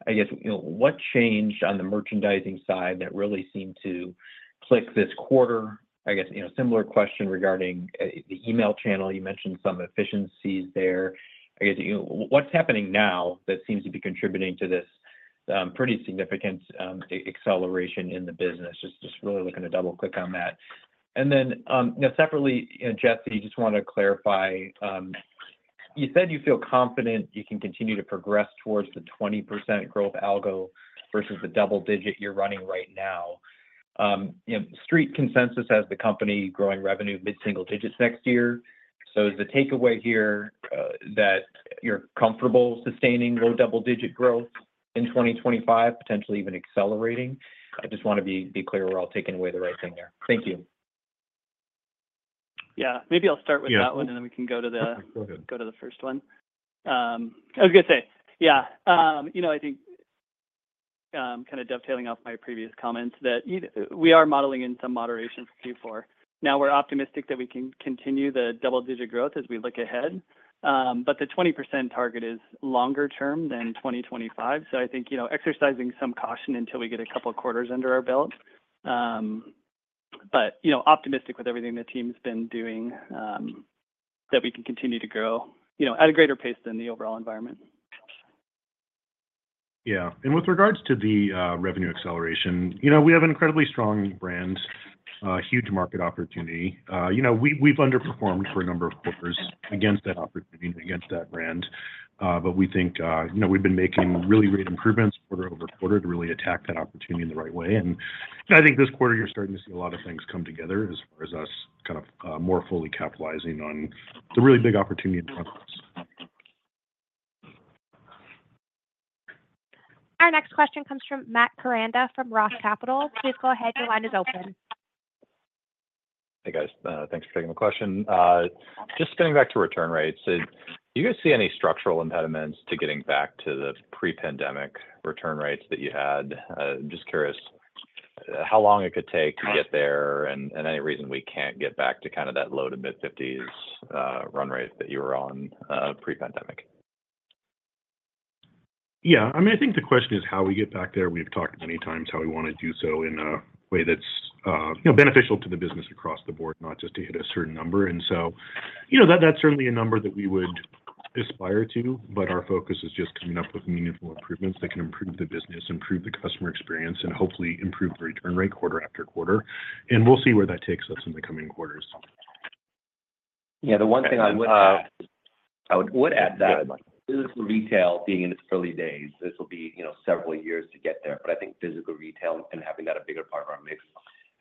I guess what changed on the merchandising side that really seemed to click this quarter? I guess similar question regarding the email channel. You mentioned some efficiencies there. I guess what's happening now that seems to be contributing to this pretty significant acceleration in the business? Just really looking to double-click on that. And then separately, Jesse, just wanted to clarify. You said you feel confident you can continue to progress towards the 20% growth algo versus the double-digit you're running right now. Street consensus has the company growing revenue mid-single-digits next year. So is the takeaway here that you're comfortable sustaining low double-digit growth in 2025, potentially even accelerating? I just want to be clear we're all taking away the right thing there. Thank you. Yeah. Maybe I'll start with that one, and then we can go to the first one. I was going to say, yeah, I think kind of dovetailing off my previous comments that we are modeling in some moderation for Q4. Now, we're optimistic that we can continue the double-digit growth as we look ahead. But the 20% target is longer term than 2025. So I think exercising some caution until we get a couple of quarters under our belt. But optimistic with everything the team's been doing that we can continue to grow at a greater pace than the overall environment. Yeah, and with regards to the revenue acceleration, we have an incredibly strong brand, huge market opportunity. We've underperformed for a number of quarters against that opportunity and against that brand. But we think we've been making really great improvements quarter-over-quarter to really attack that opportunity in the right way. And I think this quarter, you're starting to see a lot of things come together as far as us kind of more fully capitalizing on the really big opportunity in front of us. Our next question comes from Matt Koranda from Roth Capital. Please go ahead. Your line is open. Hey, guys. Thanks for taking the question. Just getting back to return rates, do you guys see any structural impediments to getting back to the pre-pandemic return rates that you had? I'm just curious how long it could take to get there and any reason we can't get back to kind of that low to mid-50s run rate that you were on pre-pandemic? Yeah. I mean, I think the question is how we get back there. We've talked many times how we want to do so in a way that's beneficial to the business across the board, not just to hit a certain number. And so that's certainly a number that we would aspire to, but our focus is just coming up with meaningful improvements that can improve the business, improve the customer experience, and hopefully improve the return rate quarter after quarter. And we'll see where that takes us in the coming quarters. Yeah. The one thing I would add, that physical retail being in its early days, this will be several years to get there. But I think physical retail and having that a bigger part of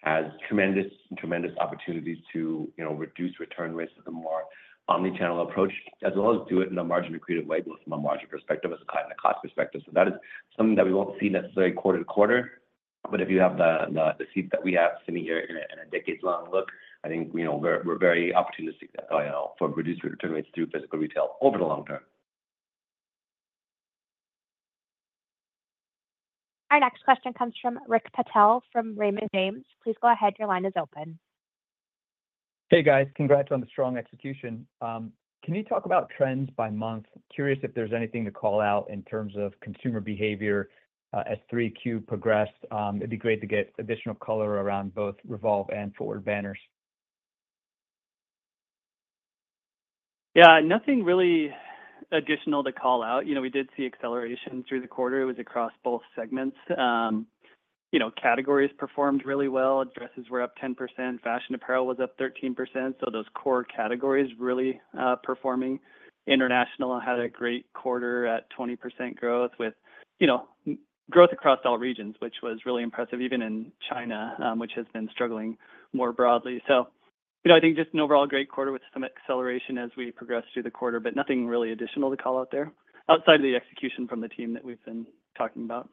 our mix has tremendous opportunities to reduce return risk with a more omnichannel approach, as well as do it in a margin-accretive way, both from a margin perspective and a cost perspective. So that is something that we won't see necessarily quarter to quarter. But if you have the seat that we have sitting here in a decades-long look, I think we're very opportunistic for reduced return rates through physical retail over the long term. Our next question comes from Rick Patel from Raymond James. Please go ahead. Your line is open. Hey, guys. Congrats on the strong execution. Can you talk about trends by month? Curious if there's anything to call out in terms of consumer behavior as 3Q progressed. It'd be great to get additional color around both Revolve and FWRD banners. Yeah. Nothing really additional to call out. We did see acceleration through the quarter. It was across both segments. Categories performed really well. Dresses were up 10%. Fashion apparel was up 13%. So those core categories really performing. International had a great quarter at 20% growth with growth across all regions, which was really impressive, even in China, which has been struggling more broadly. So I think just an overall great quarter with some acceleration as we progress through the quarter, but nothing really additional to call out there outside of the execution from the team that we've been talking about.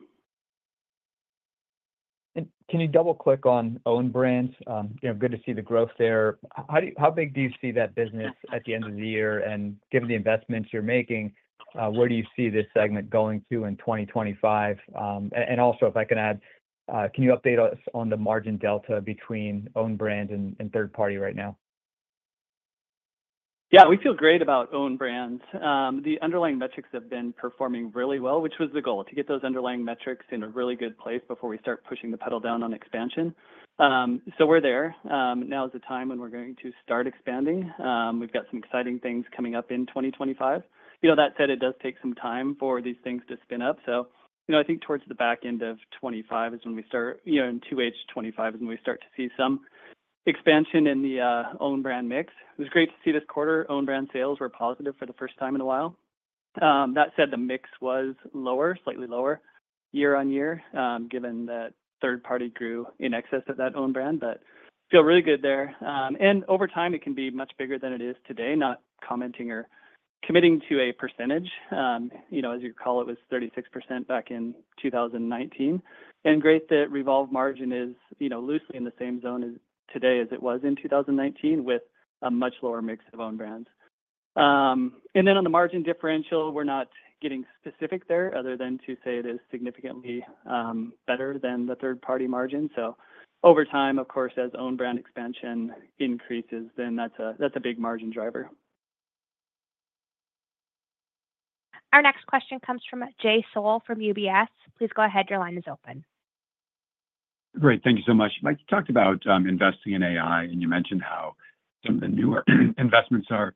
Can you double-click on Own Brands? Good to see the growth there. How big do you see that business at the end of the year? And given the investments you're making, where do you see this segment going to in 2025? And also, if I can add, can you update us on the margin delta between Own Brand and third party right now? Yeah. We feel great about own brands. The underlying metrics have been performing really well, which was the goal, to get those underlying metrics in a really good place before we start pushing the pedal down on expansion. So we're there. Now is the time when we're going to start expanding. We've got some exciting things coming up in 2025. That said, it does take some time for these things to spin up. So I think towards the back end of 2025, in 2H 2025, is when we start to see some expansion in the own brand mix. It was great to see this quarter. Own brand sales were positive for the first time in a while. That said, the mix was lower, slightly lower year-on-year, given that third-party grew in excess of that own brand, but feel really good there. And over time, it can be much bigger than it is today, not commenting or committing to a percentage. As you recall, it was 36% back in 2019. And great that Revolve margin is loosely in the same zone today as it was in 2019 with a much lower mix of own brands. And then on the margin differential, we're not getting specific there other than to say it is significantly better than the third party margin. So over time, of course, as own brand expansion increases, then that's a big margin driver. Our next question comes from Jay Sole from UBS. Please go ahead. Your line is open. Great. Thank you so much. You talked about investing in AI, and you mentioned how some of the newer investments are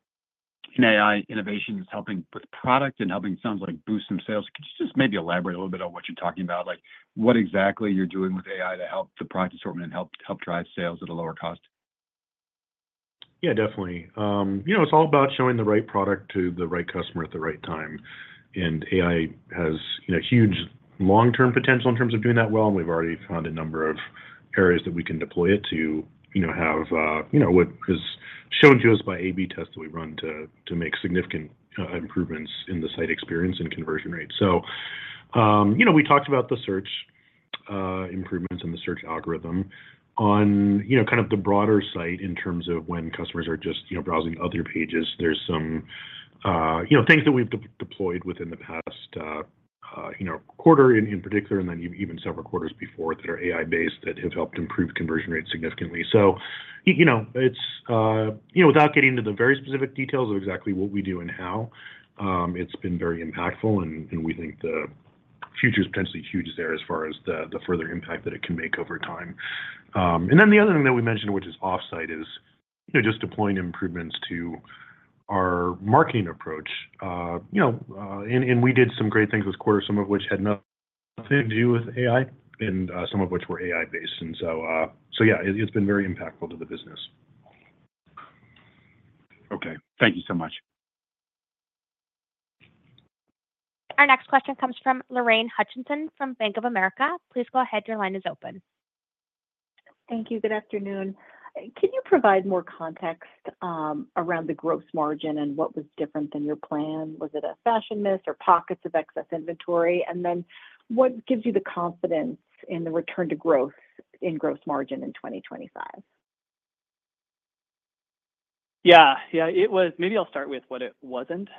in AI innovations helping with product and helping sounds like boost some sales. Could you just maybe elaborate a little bit on what you're talking about, like what exactly you're doing with AI to help the product assortment and help drive sales at a lower cost? Yeah, definitely. It's all about showing the right product to the right customer at the right time. And AI has huge long-term potential in terms of doing that well. And we've already found a number of areas that we can deploy it to have what is shown to us by A/B tests that we run to make significant improvements in the site experience and conversion rate. So we talked about the search improvements and the search algorithm on kind of the broader site in terms of when customers are just browsing other pages. There's some things that we've deployed within the past quarter in particular, and then even several quarters before that are AI-based that have helped improve conversion rates significantly. So without getting into the very specific details of exactly what we do and how, it's been very impactful, and we think the future is potentially huge there as far as the further impact that it can make over time. And then the other thing that we mentioned, which is off-site, is just deploying improvements to our marketing approach. And we did some great things this quarter, some of which had nothing to do with AI and some of which were AI-based. And so, yeah, it's been very impactful to the business. Okay. Thank you so much. Our next question comes from Lorraine Hutchinson from Bank of America. Please go ahead. Your line is open. Thank you. Good afternoon. Can you provide more context around the gross margin and what was different than your plan? Was it a fashion miss or pockets of excess inventory? And then what gives you the confidence in the return to growth in gross margin in 2025? Yeah. Yeah. Maybe I'll start with what it wasn't.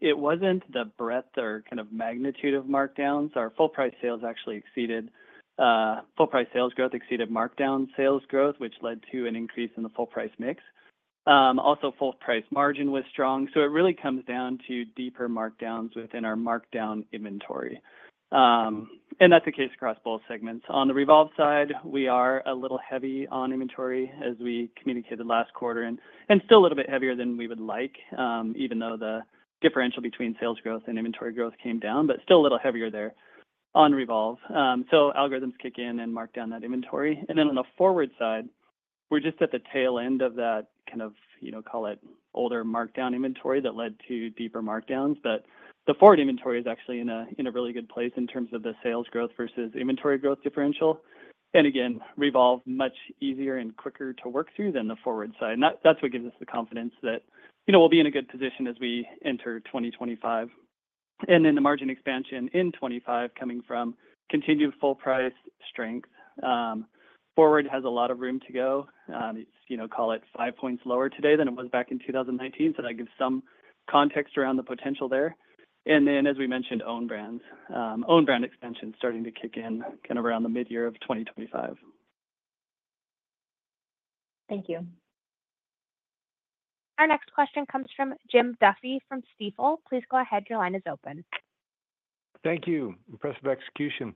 It wasn't the breadth or kind of magnitude of markdowns. Our full-price sales actually exceeded. Full-price sales growth exceeded markdown sales growth, which led to an increase in the full-price mix. Also, full-price margin was strong. So it really comes down to deeper markdowns within our markdown inventory. And that's the case across both segments. On the Revolve side, we are a little heavy on inventory, as we communicated last quarter, and still a little bit heavier than we would like, even though the differential between sales growth and inventory growth came down, but still a little heavier there on Revolve. So algorithms kick in and mark down that inventory. And then on the FWRD side, we're just at the tail end of that kind of, call it older markdown inventory that led to deeper markdowns. But the FWRD inventory is actually in a really good place in terms of the sales growth versus inventory growth differential. And again, Revolve, much easier and quicker to work through than the FWRD side. That's what gives us the confidence that we'll be in a good position as we enter 2025. And then the margin expansion in 2025 coming from continued full-price strength. FWRD has a lot of room to go. It's, call it, five points lower today than it was back in 2019. So that gives some context around the potential there. And then, as we mentioned, Own Brands. Own Brands expansion starting to kick in kind of around the mid-year of 2025. Thank you. Our next question comes from Jim Duffy from Stifel. Please go ahead. Your line is open. Thank you. Impressive execution.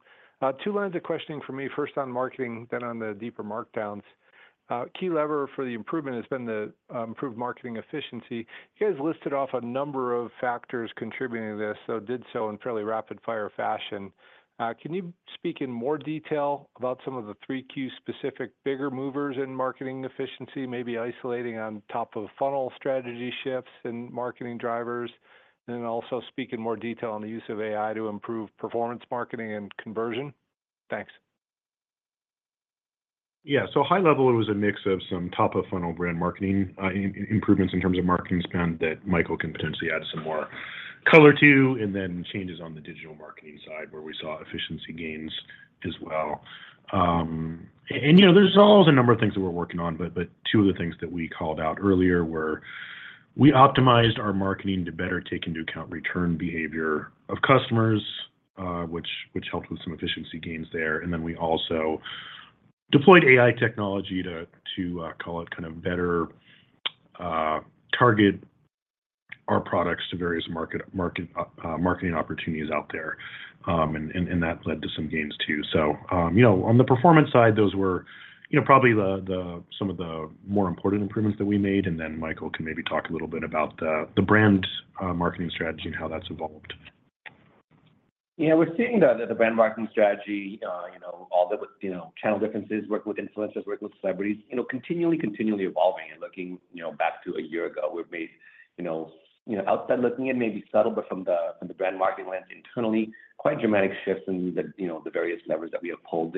Two lines of questioning for me. First on marketing, then on the deeper markdowns. Key lever for the improvement has been the improved marketing efficiency. You guys listed off a number of factors contributing to this, though did so in fairly rapid-fire fashion. Can you speak in more detail about some of the three Q specific bigger movers in marketing efficiency, maybe isolating on top of funnel strategy shifts and marketing drivers, and then also speak in more detail on the use of AI to improve performance marketing and conversion? Thanks. Yeah. So high level, it was a mix of some top-of-funnel brand marketing improvements in terms of marketing spend that Michael can potentially add some more color to, and then changes on the digital marketing side where we saw efficiency gains as well. And there's always a number of things that we're working on, but two of the things that we called out earlier were we optimized our marketing to better take into account return behavior of customers, which helped with some efficiency gains there. And then we also deployed AI technology to, call it, kind of better target our products to various marketing opportunities out there. And that led to some gains, too. So on the performance side, those were probably some of the more important improvements that we made. And then Michael can maybe talk a little bit about the brand marketing strategy and how that's evolved. Yeah. We're seeing that the brand marketing strategy, all the channel differences, work with influencers, work with celebrities, continually, continually evolving and looking back to a year ago, we've made outside looking at maybe subtle, but from the brand marketing lens internally, quite dramatic shifts in the various levers that we have pulled,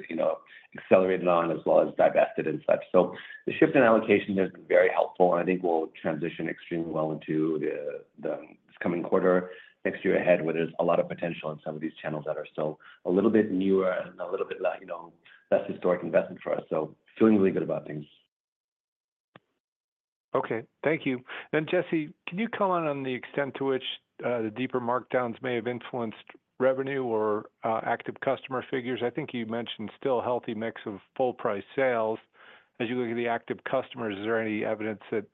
accelerated on, as well as divested and such. So the shift in allocation has been very helpful, and I think we'll transition extremely well into this coming quarter, next year ahead, where there's a lot of potential in some of these channels that are still a little bit newer and a little bit less historic investment for us. So, feeling really good about things. Okay. Thank you. And Jesse, can you comment on the extent to which the deeper markdowns may have influenced revenue or active customer figures? I think you mentioned still a healthy mix of full-price sales. As you look at the active customers, is there any evidence that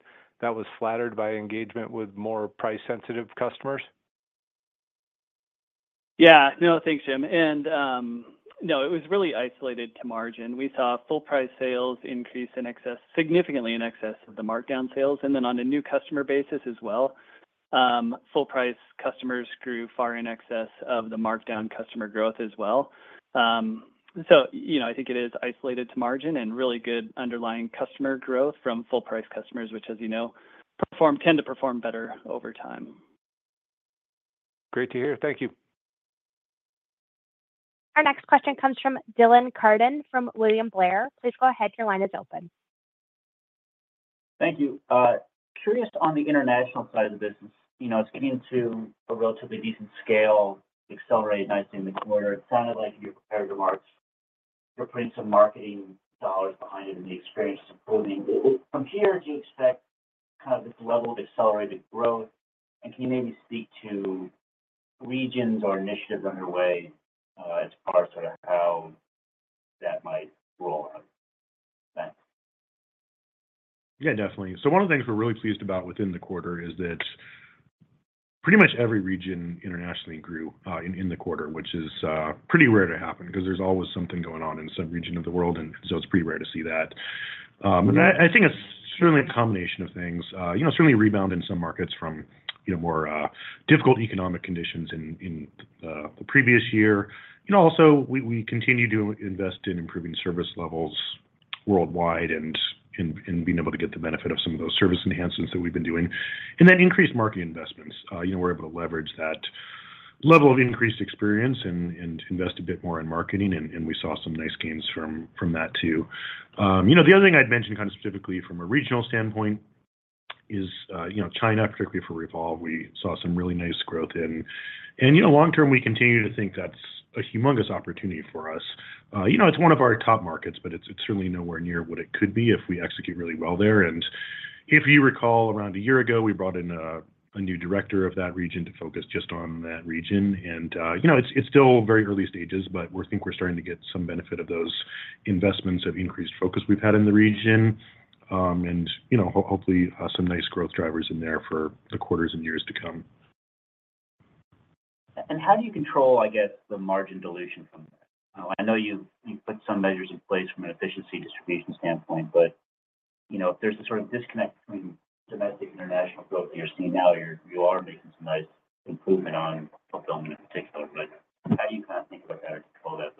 that was flattered by engagement with more price-sensitive customers? Yeah. No, thanks, Jim. And no, it was really isolated to margin. We saw full-price sales increase in excess, significantly in excess of the markdown sales, and then on a new customer basis as well. Full-price customers grew far in excess of the markdown customer growth as well. So I think it is isolated to margin and really good underlying customer growth from full-price customers, which, as you know, tend to perform better over time. Great to hear. Thank you. Our next question comes from Dylan Carden from William Blair. Please go ahead. Your line is open. Thank you. Curious on the international side of the business. It's getting to a relatively decent scale, accelerating nicely in the quarter. It sounded like you're prepared to march. You're putting some marketing dollars behind it and the experience is improving. From here, do you expect kind of this level of accelerated growth? And can you maybe speak to regions or initiatives underway as far as sort of how that might roll out? Thanks. Yeah, definitely. So one of the things we're really pleased about within the quarter is that pretty much every region internationally grew in the quarter, which is pretty rare to happen because there's always something going on in some region of the world, and so it's pretty rare to see that. And I think it's certainly a combination of things. Certainly rebound in some markets from more difficult economic conditions in the previous year. Also, we continue to invest in improving service levels worldwide and being able to get the benefit of some of those service enhancements that we've been doing, and then increased market investments. We're able to leverage that level of increased experience and invest a bit more in marketing, and we saw some nice gains from that, too. The other thing I'd mention kind of specifically from a regional standpoint is China, particularly for Revolve. We saw some really nice growth and long term, we continue to think that's a humongous opportunity for us. It's one of our top markets, but it's certainly nowhere near what it could be if we execute really well there and if you recall, around a year ago, we brought in a new director of that region to focus just on that region and it's still very early stages, but we think we're starting to get some benefit of those investments of increased focus we've had in the region and hopefully some nice growth drivers in there for the quarters and years to come. How do you control, I guess, the margin dilution from that? I know you've put some measures in place from an efficiency distribution standpoint, but if there's a sort of disconnect between domestic and international growth that you're seeing now, you are making some nice improvement on fulfillment in particular. But how do you kind of think about that or control that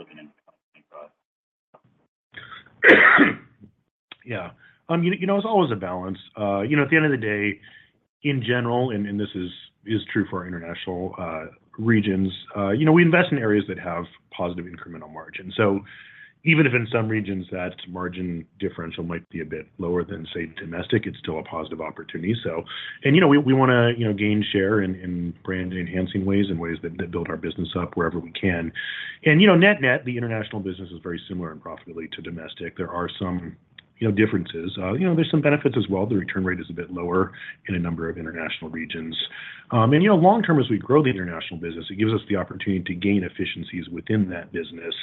looking into? Yeah. It's always a balance. At the end of the day, in general, and this is true for our international regions, we invest in areas that have positive incremental margin, so even if in some regions that margin differential might be a bit lower than, say, domestic, it's still a positive opportunity, and we want to gain share in brand-enhancing ways and ways that build our business up wherever we can, and net-net, the international business is very similar and profitable to domestic. There are some differences. There's some benefits as well. The return rate is a bit lower in a number of international regions, and long-term, as we grow the international business, it gives us the opportunity to gain efficiencies within that business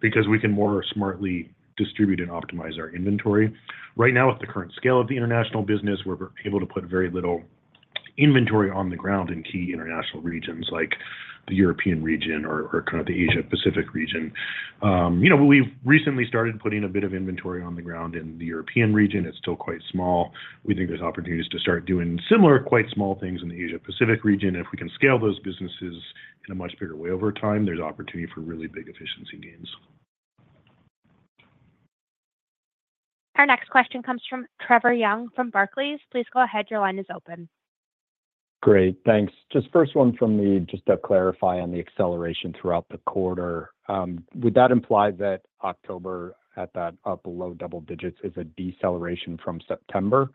because we can more smartly distribute and optimize our inventory. Right now, with the current scale of the international business, we're able to put very little inventory on the ground in key international regions like the European region or kind of the Asia-Pacific region. We've recently started putting a bit of inventory on the ground in the European region. It's still quite small. We think there's opportunities to start doing similar, quite small things in the Asia-Pacific region. If we can scale those businesses in a much bigger way over time, there's opportunity for really big efficiency gains. Our next question comes from Trevor Young from Barclays. Please go ahead. Your line is open. Great. Thanks. Just first one from me just to clarify on the acceleration throughout the quarter. Would that imply that October at that upper low double-digits is a deceleration from September?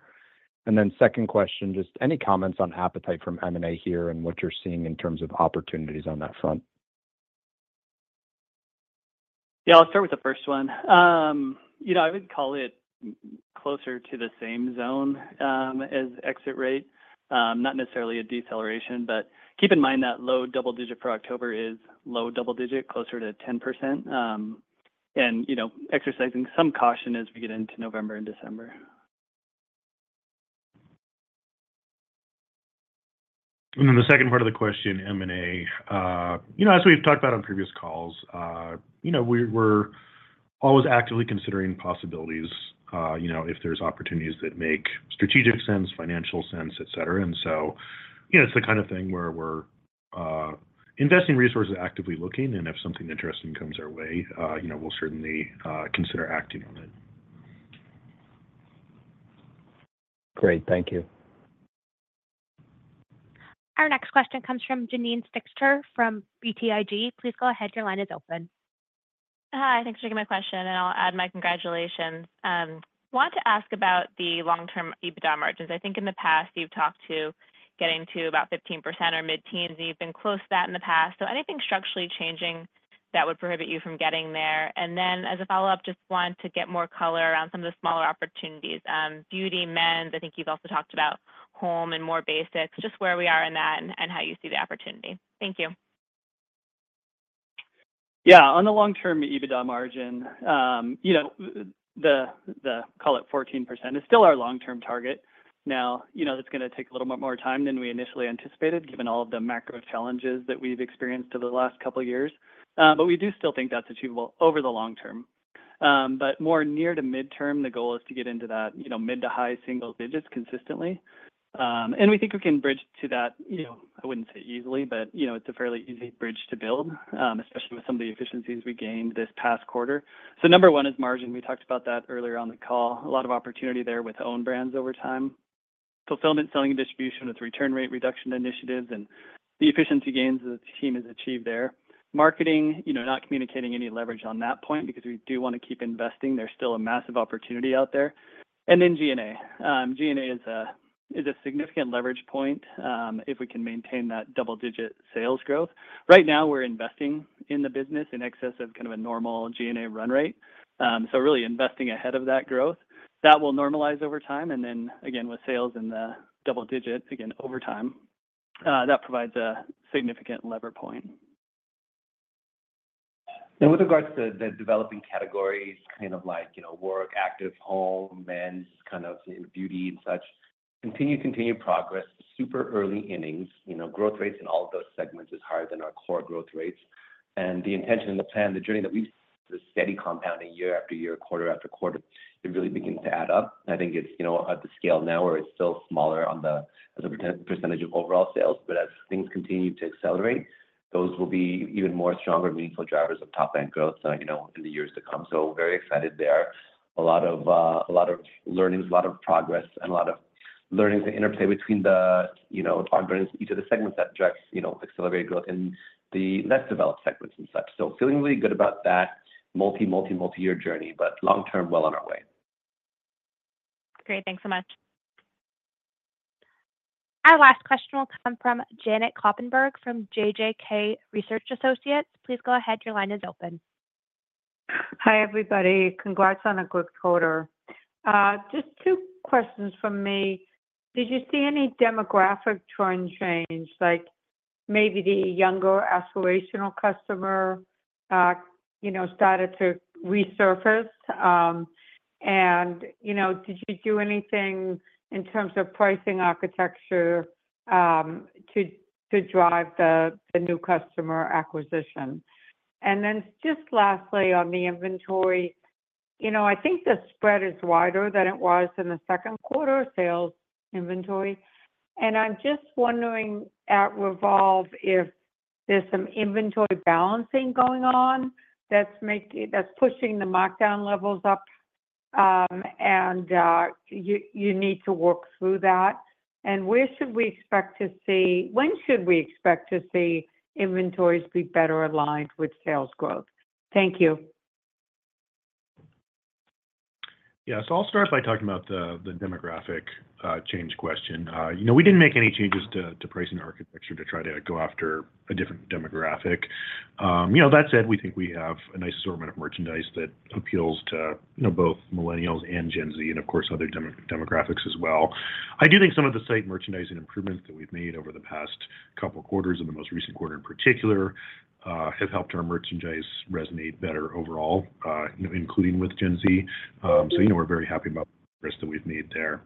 And then second question, just any comments on appetite from M&A here and what you're seeing in terms of opportunities on that front? Yeah. I'll start with the first one. I would call it closer to the same zone as exit rate. Not necessarily a deceleration, but keep in mind that low double-digit for October is low double-digit, closer to 10%, and exercising some caution as we get into November and December. And then the second part of the question, M&A. As we've talked about on previous calls, we're always actively considering possibilities if there's opportunities that make strategic sense, financial sense, et cetera. And so it's the kind of thing where we're investing resources actively looking. And if something interesting comes our way, we'll certainly consider acting on it. Great. Thank you. Our next question comes from Janine Stichter from BTIG. Please go ahead. Your line is open. Hi. Thanks for taking my question, and I'll add my congratulations. I want to ask about the long-term EBITDA margins. I think in the past, you've talked about getting to about 15% or mid-teens, and you've been close to that in the past, so anything structurally changing that would prohibit you from getting there? And then, as a follow-up, just want to get more color around some of the smaller opportunities: beauty, men's. I think you've also talked about home and more basics, just where we are in that and how you see the opportunity. Thank you. Yeah. On the long-term EBITDA margin, the, call it, 14% is still our long-term target. Now, that's going to take a little bit more time than we initially anticipated, given all of the macro challenges that we've experienced over the last couple of years. But we do still think that's achievable over the long term. But more near to midterm, the goal is to get into that mid to high single-digits consistently. And we think we can bridge to that. I wouldn't say easily, but it's a fairly easy bridge to build, especially with some of the efficiencies we gained this past quarter. So number one is margin. We talked about that earlier on the call. A lot of opportunity there with Own Brands over time. Fulfillment, selling and distribution with return rate reduction initiatives and the efficiency gains that the team has achieved there. Marketing, not communicating any leverage on that point because we do want to keep investing. There's still a massive opportunity out there, and then G&A. G&A is a significant leverage point if we can maintain that double-digit sales growth. Right now, we're investing in the business in excess of kind of a normal G&A run rate. So really investing ahead of that growth. That will normalize over time, and then, again, with sales in the double-digit, again, over time, that provides a significant leverage point. And with regards to the developing categories, kind of like work, active, home, Men's, kind of beauty and such, continued progress. Super early innings. Growth rates in all of those segments is higher than our core growth rates. And the intention and the plan, the journey that we've had, is steady compounding year after year, quarter after quarter. It really begins to add up. I think it's at the scale now where it's still smaller as a percentage of overall sales. But as things continue to accelerate, those will be even more stronger, meaningful drivers of top-end growth in the years to come. So very excited there. A lot of learnings, a lot of progress, and a lot of learnings that interplay between the onboarding of each of the segments that accelerate growth in the less developed segments and such. Feeling really good about that multi-year journey, but long-term, well on our way. Great. Thanks so much. Our last question will come from Janet Kloppenburg from JJK Research Associates. Please go ahead. Your line is open. Hi everybody. Congrats on a good quarter. Just two questions for me. Did you see any demographic trend change, like maybe the younger aspirational customer started to resurface? And did you do anything in terms of pricing architecture to drive the new customer acquisition? And then just lastly, on the inventory, I think the spread is wider than it was in the Q2 sales inventory. And I'm just wondering at Revolve if there's some inventory balancing going on that's pushing the markdown levels up, and you need to work through that. And where should we expect to see inventories be better aligned with sales growth? Thank you. Yeah. So I'll start by talking about the demographic change question. We didn't make any changes to pricing architecture to try to go after a different demographic. That said, we think we have a nice assortment of merchandise that appeals to both Millennials and Gen Z and, of course, other demographics as well. I do think some of the site merchandising improvements that we've made over the past couple of quarters and the most recent quarter in particular have helped our merchandise resonate better overall, including with Gen Z. So we're very happy about the risks that we've made there.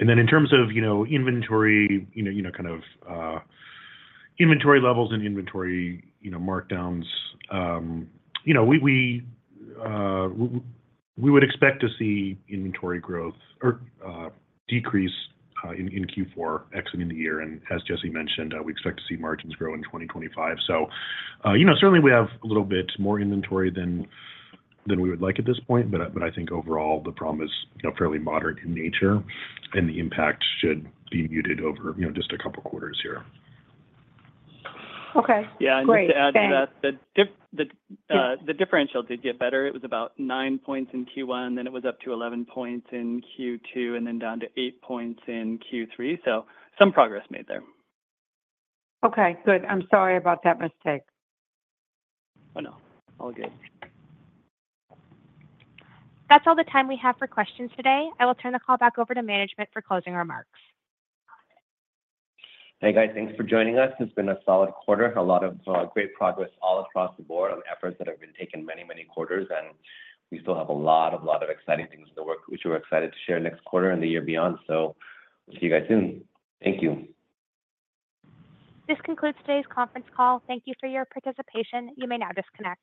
And then in terms of inventory, kind of inventory levels and inventory markdowns, we would expect to see inventory growth or decrease in Q4, exiting the year. And as Jesse mentioned, we expect to see margins grow in 2025. So certainly, we have a little bit more inventory than we would like at this point. But I think overall, the problem is fairly moderate in nature, and the impact should be muted over just a couple of quarters here. Okay. Great. Yeah. And just to add to that, the differential did get better. It was about nine points in Q1, and then it was up to 11 points in Q2, and then down to eight points in Q3. So some progress made there. Okay. Good. I'm sorry about that mistake. Oh, no. All good. That's all the time we have for questions today. I will turn the call back over to management for closing remarks. Hey, guys. Thanks for joining us. It's been a solid quarter. A lot of great progress all across the board on efforts that have been taken many, many quarters, and we still have a lot of, lot of exciting things in the works, which we're excited to share next quarter and the year beyond, so we'll see you guys soon. Thank you. This concludes today's conference call. Thank you for your participation. You may now disconnect.